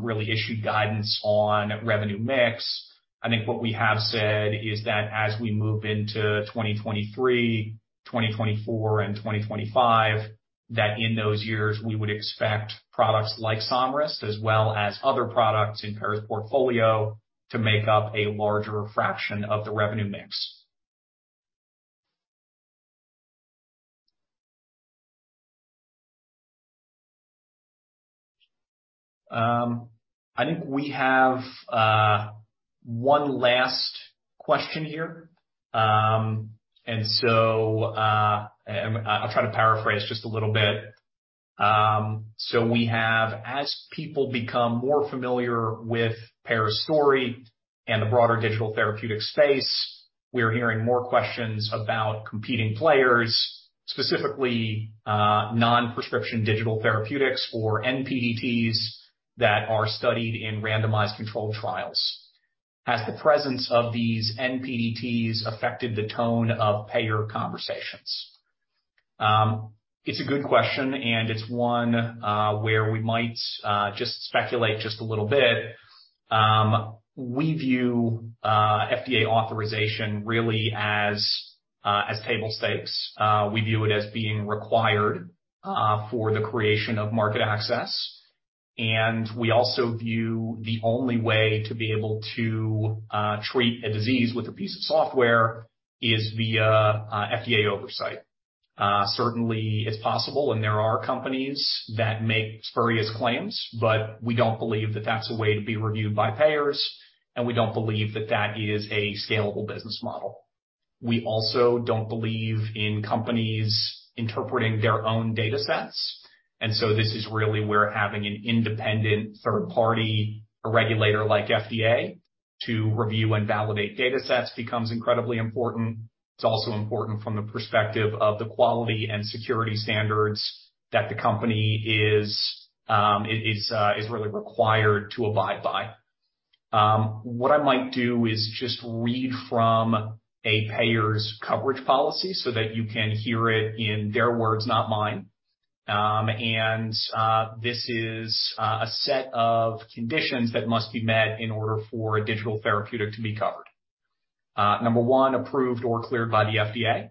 really issued guidance on revenue mix, I think what we have said is that as we move into 2023, 2024, and 2025, that in those years, we would expect products like Somryst as well as other products in Pear's portfolio to make up a larger fraction of the revenue mix. I think we have one last question here. I'll try to paraphrase just a little bit. We have, as people become more familiar with Pear's story and the broader digital therapeutic space, we're hearing more questions about competing players, specifically, non-prescription digital therapeutics or NPDTs that are studied in randomized controlled trials. Has the presence of these NPDTs affected the tone of payer conversations? It's a good question, and it's one where we might just speculate just a little bit. We view FDA authorization really as table stakes. We view it as being required for the creation of market access. We also view the only way to be able to treat a disease with a piece of software is via FDA oversight. Certainly it's possible, and there are companies that make spurious claims, but we don't believe that that's a way to be reviewed by payers, and we don't believe that that is a scalable business model. We also don't believe in companies interpreting their own datasets. This is really where having an independent third party, a regulator like FDA to review and validate datasets becomes incredibly important. It's also important from the perspective of the quality and security standards that the company is really required to abide by. What I might do is just read from a payer's coverage policy so that you can hear it in their words, not mine. This is a set of conditions that must be met in order for a digital therapeutic to be covered. Number one, approved or cleared by the FDA.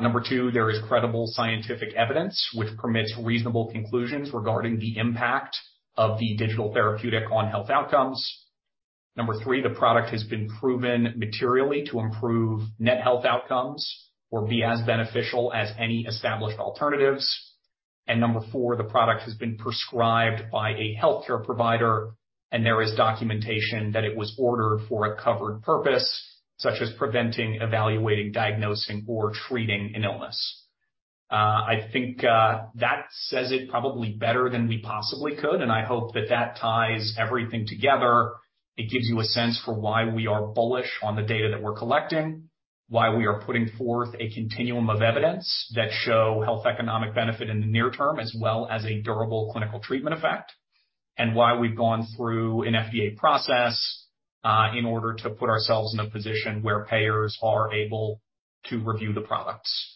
Number two, there is credible scientific evidence which permits reasonable conclusions regarding the impact of the digital therapeutic on health outcomes. Number three, the product has been proven materially to improve net health outcomes or be as beneficial as any established alternatives. Number four, the product has been prescribed by a healthcare provider, and there is documentation that it was ordered for a covered purpose, such as preventing, evaluating, diagnosing, or treating an illness. I think that says it probably better than we possibly could, and I hope that ties everything together. It gives you a sense for why we are bullish on the data that we're collecting, why we are putting forth a continuum of evidence that show health economic benefit in the near term as well as a durable clinical treatment effect, and why we've gone through an FDA process, in order to put ourselves in a position where payers are able to review the products.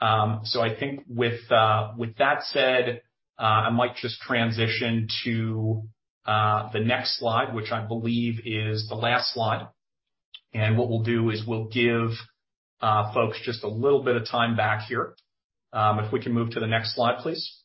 I think with that said, I might just transition to the next slide, which I believe is the last slide. What we'll do is we'll give folks just a little bit of time back here. If we can move to the next slide, please.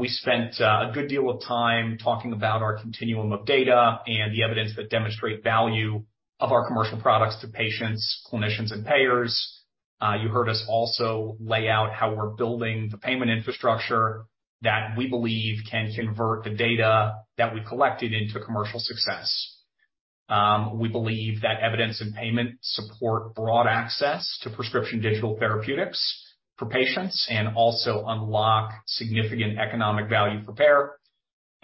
We spent a good deal of time talking about our continuum of data and the evidence that demonstrate value of our commercial products to patients, clinicians, and payers. You heard us also lay out how we're building the payment infrastructure that we believe can convert the data that we've collected into commercial success. We believe that evidence and payment support broad access to prescription digital therapeutics for patients and also unlock significant economic value for payer.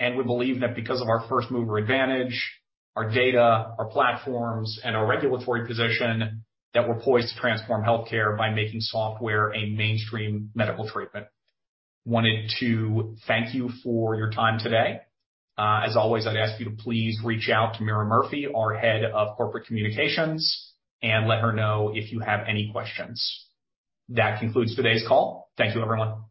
We believe that because of our first-mover advantage, our data, our platforms, and our regulatory position that we're poised to transform healthcare by making software a mainstream medical treatment. Wanted to thank you for your time today. As always, I'd ask you to please reach out to Meara Murphy, our Head of Corporate Communications, and let her know if you have any questions. That concludes today's call. Thank you, everyone.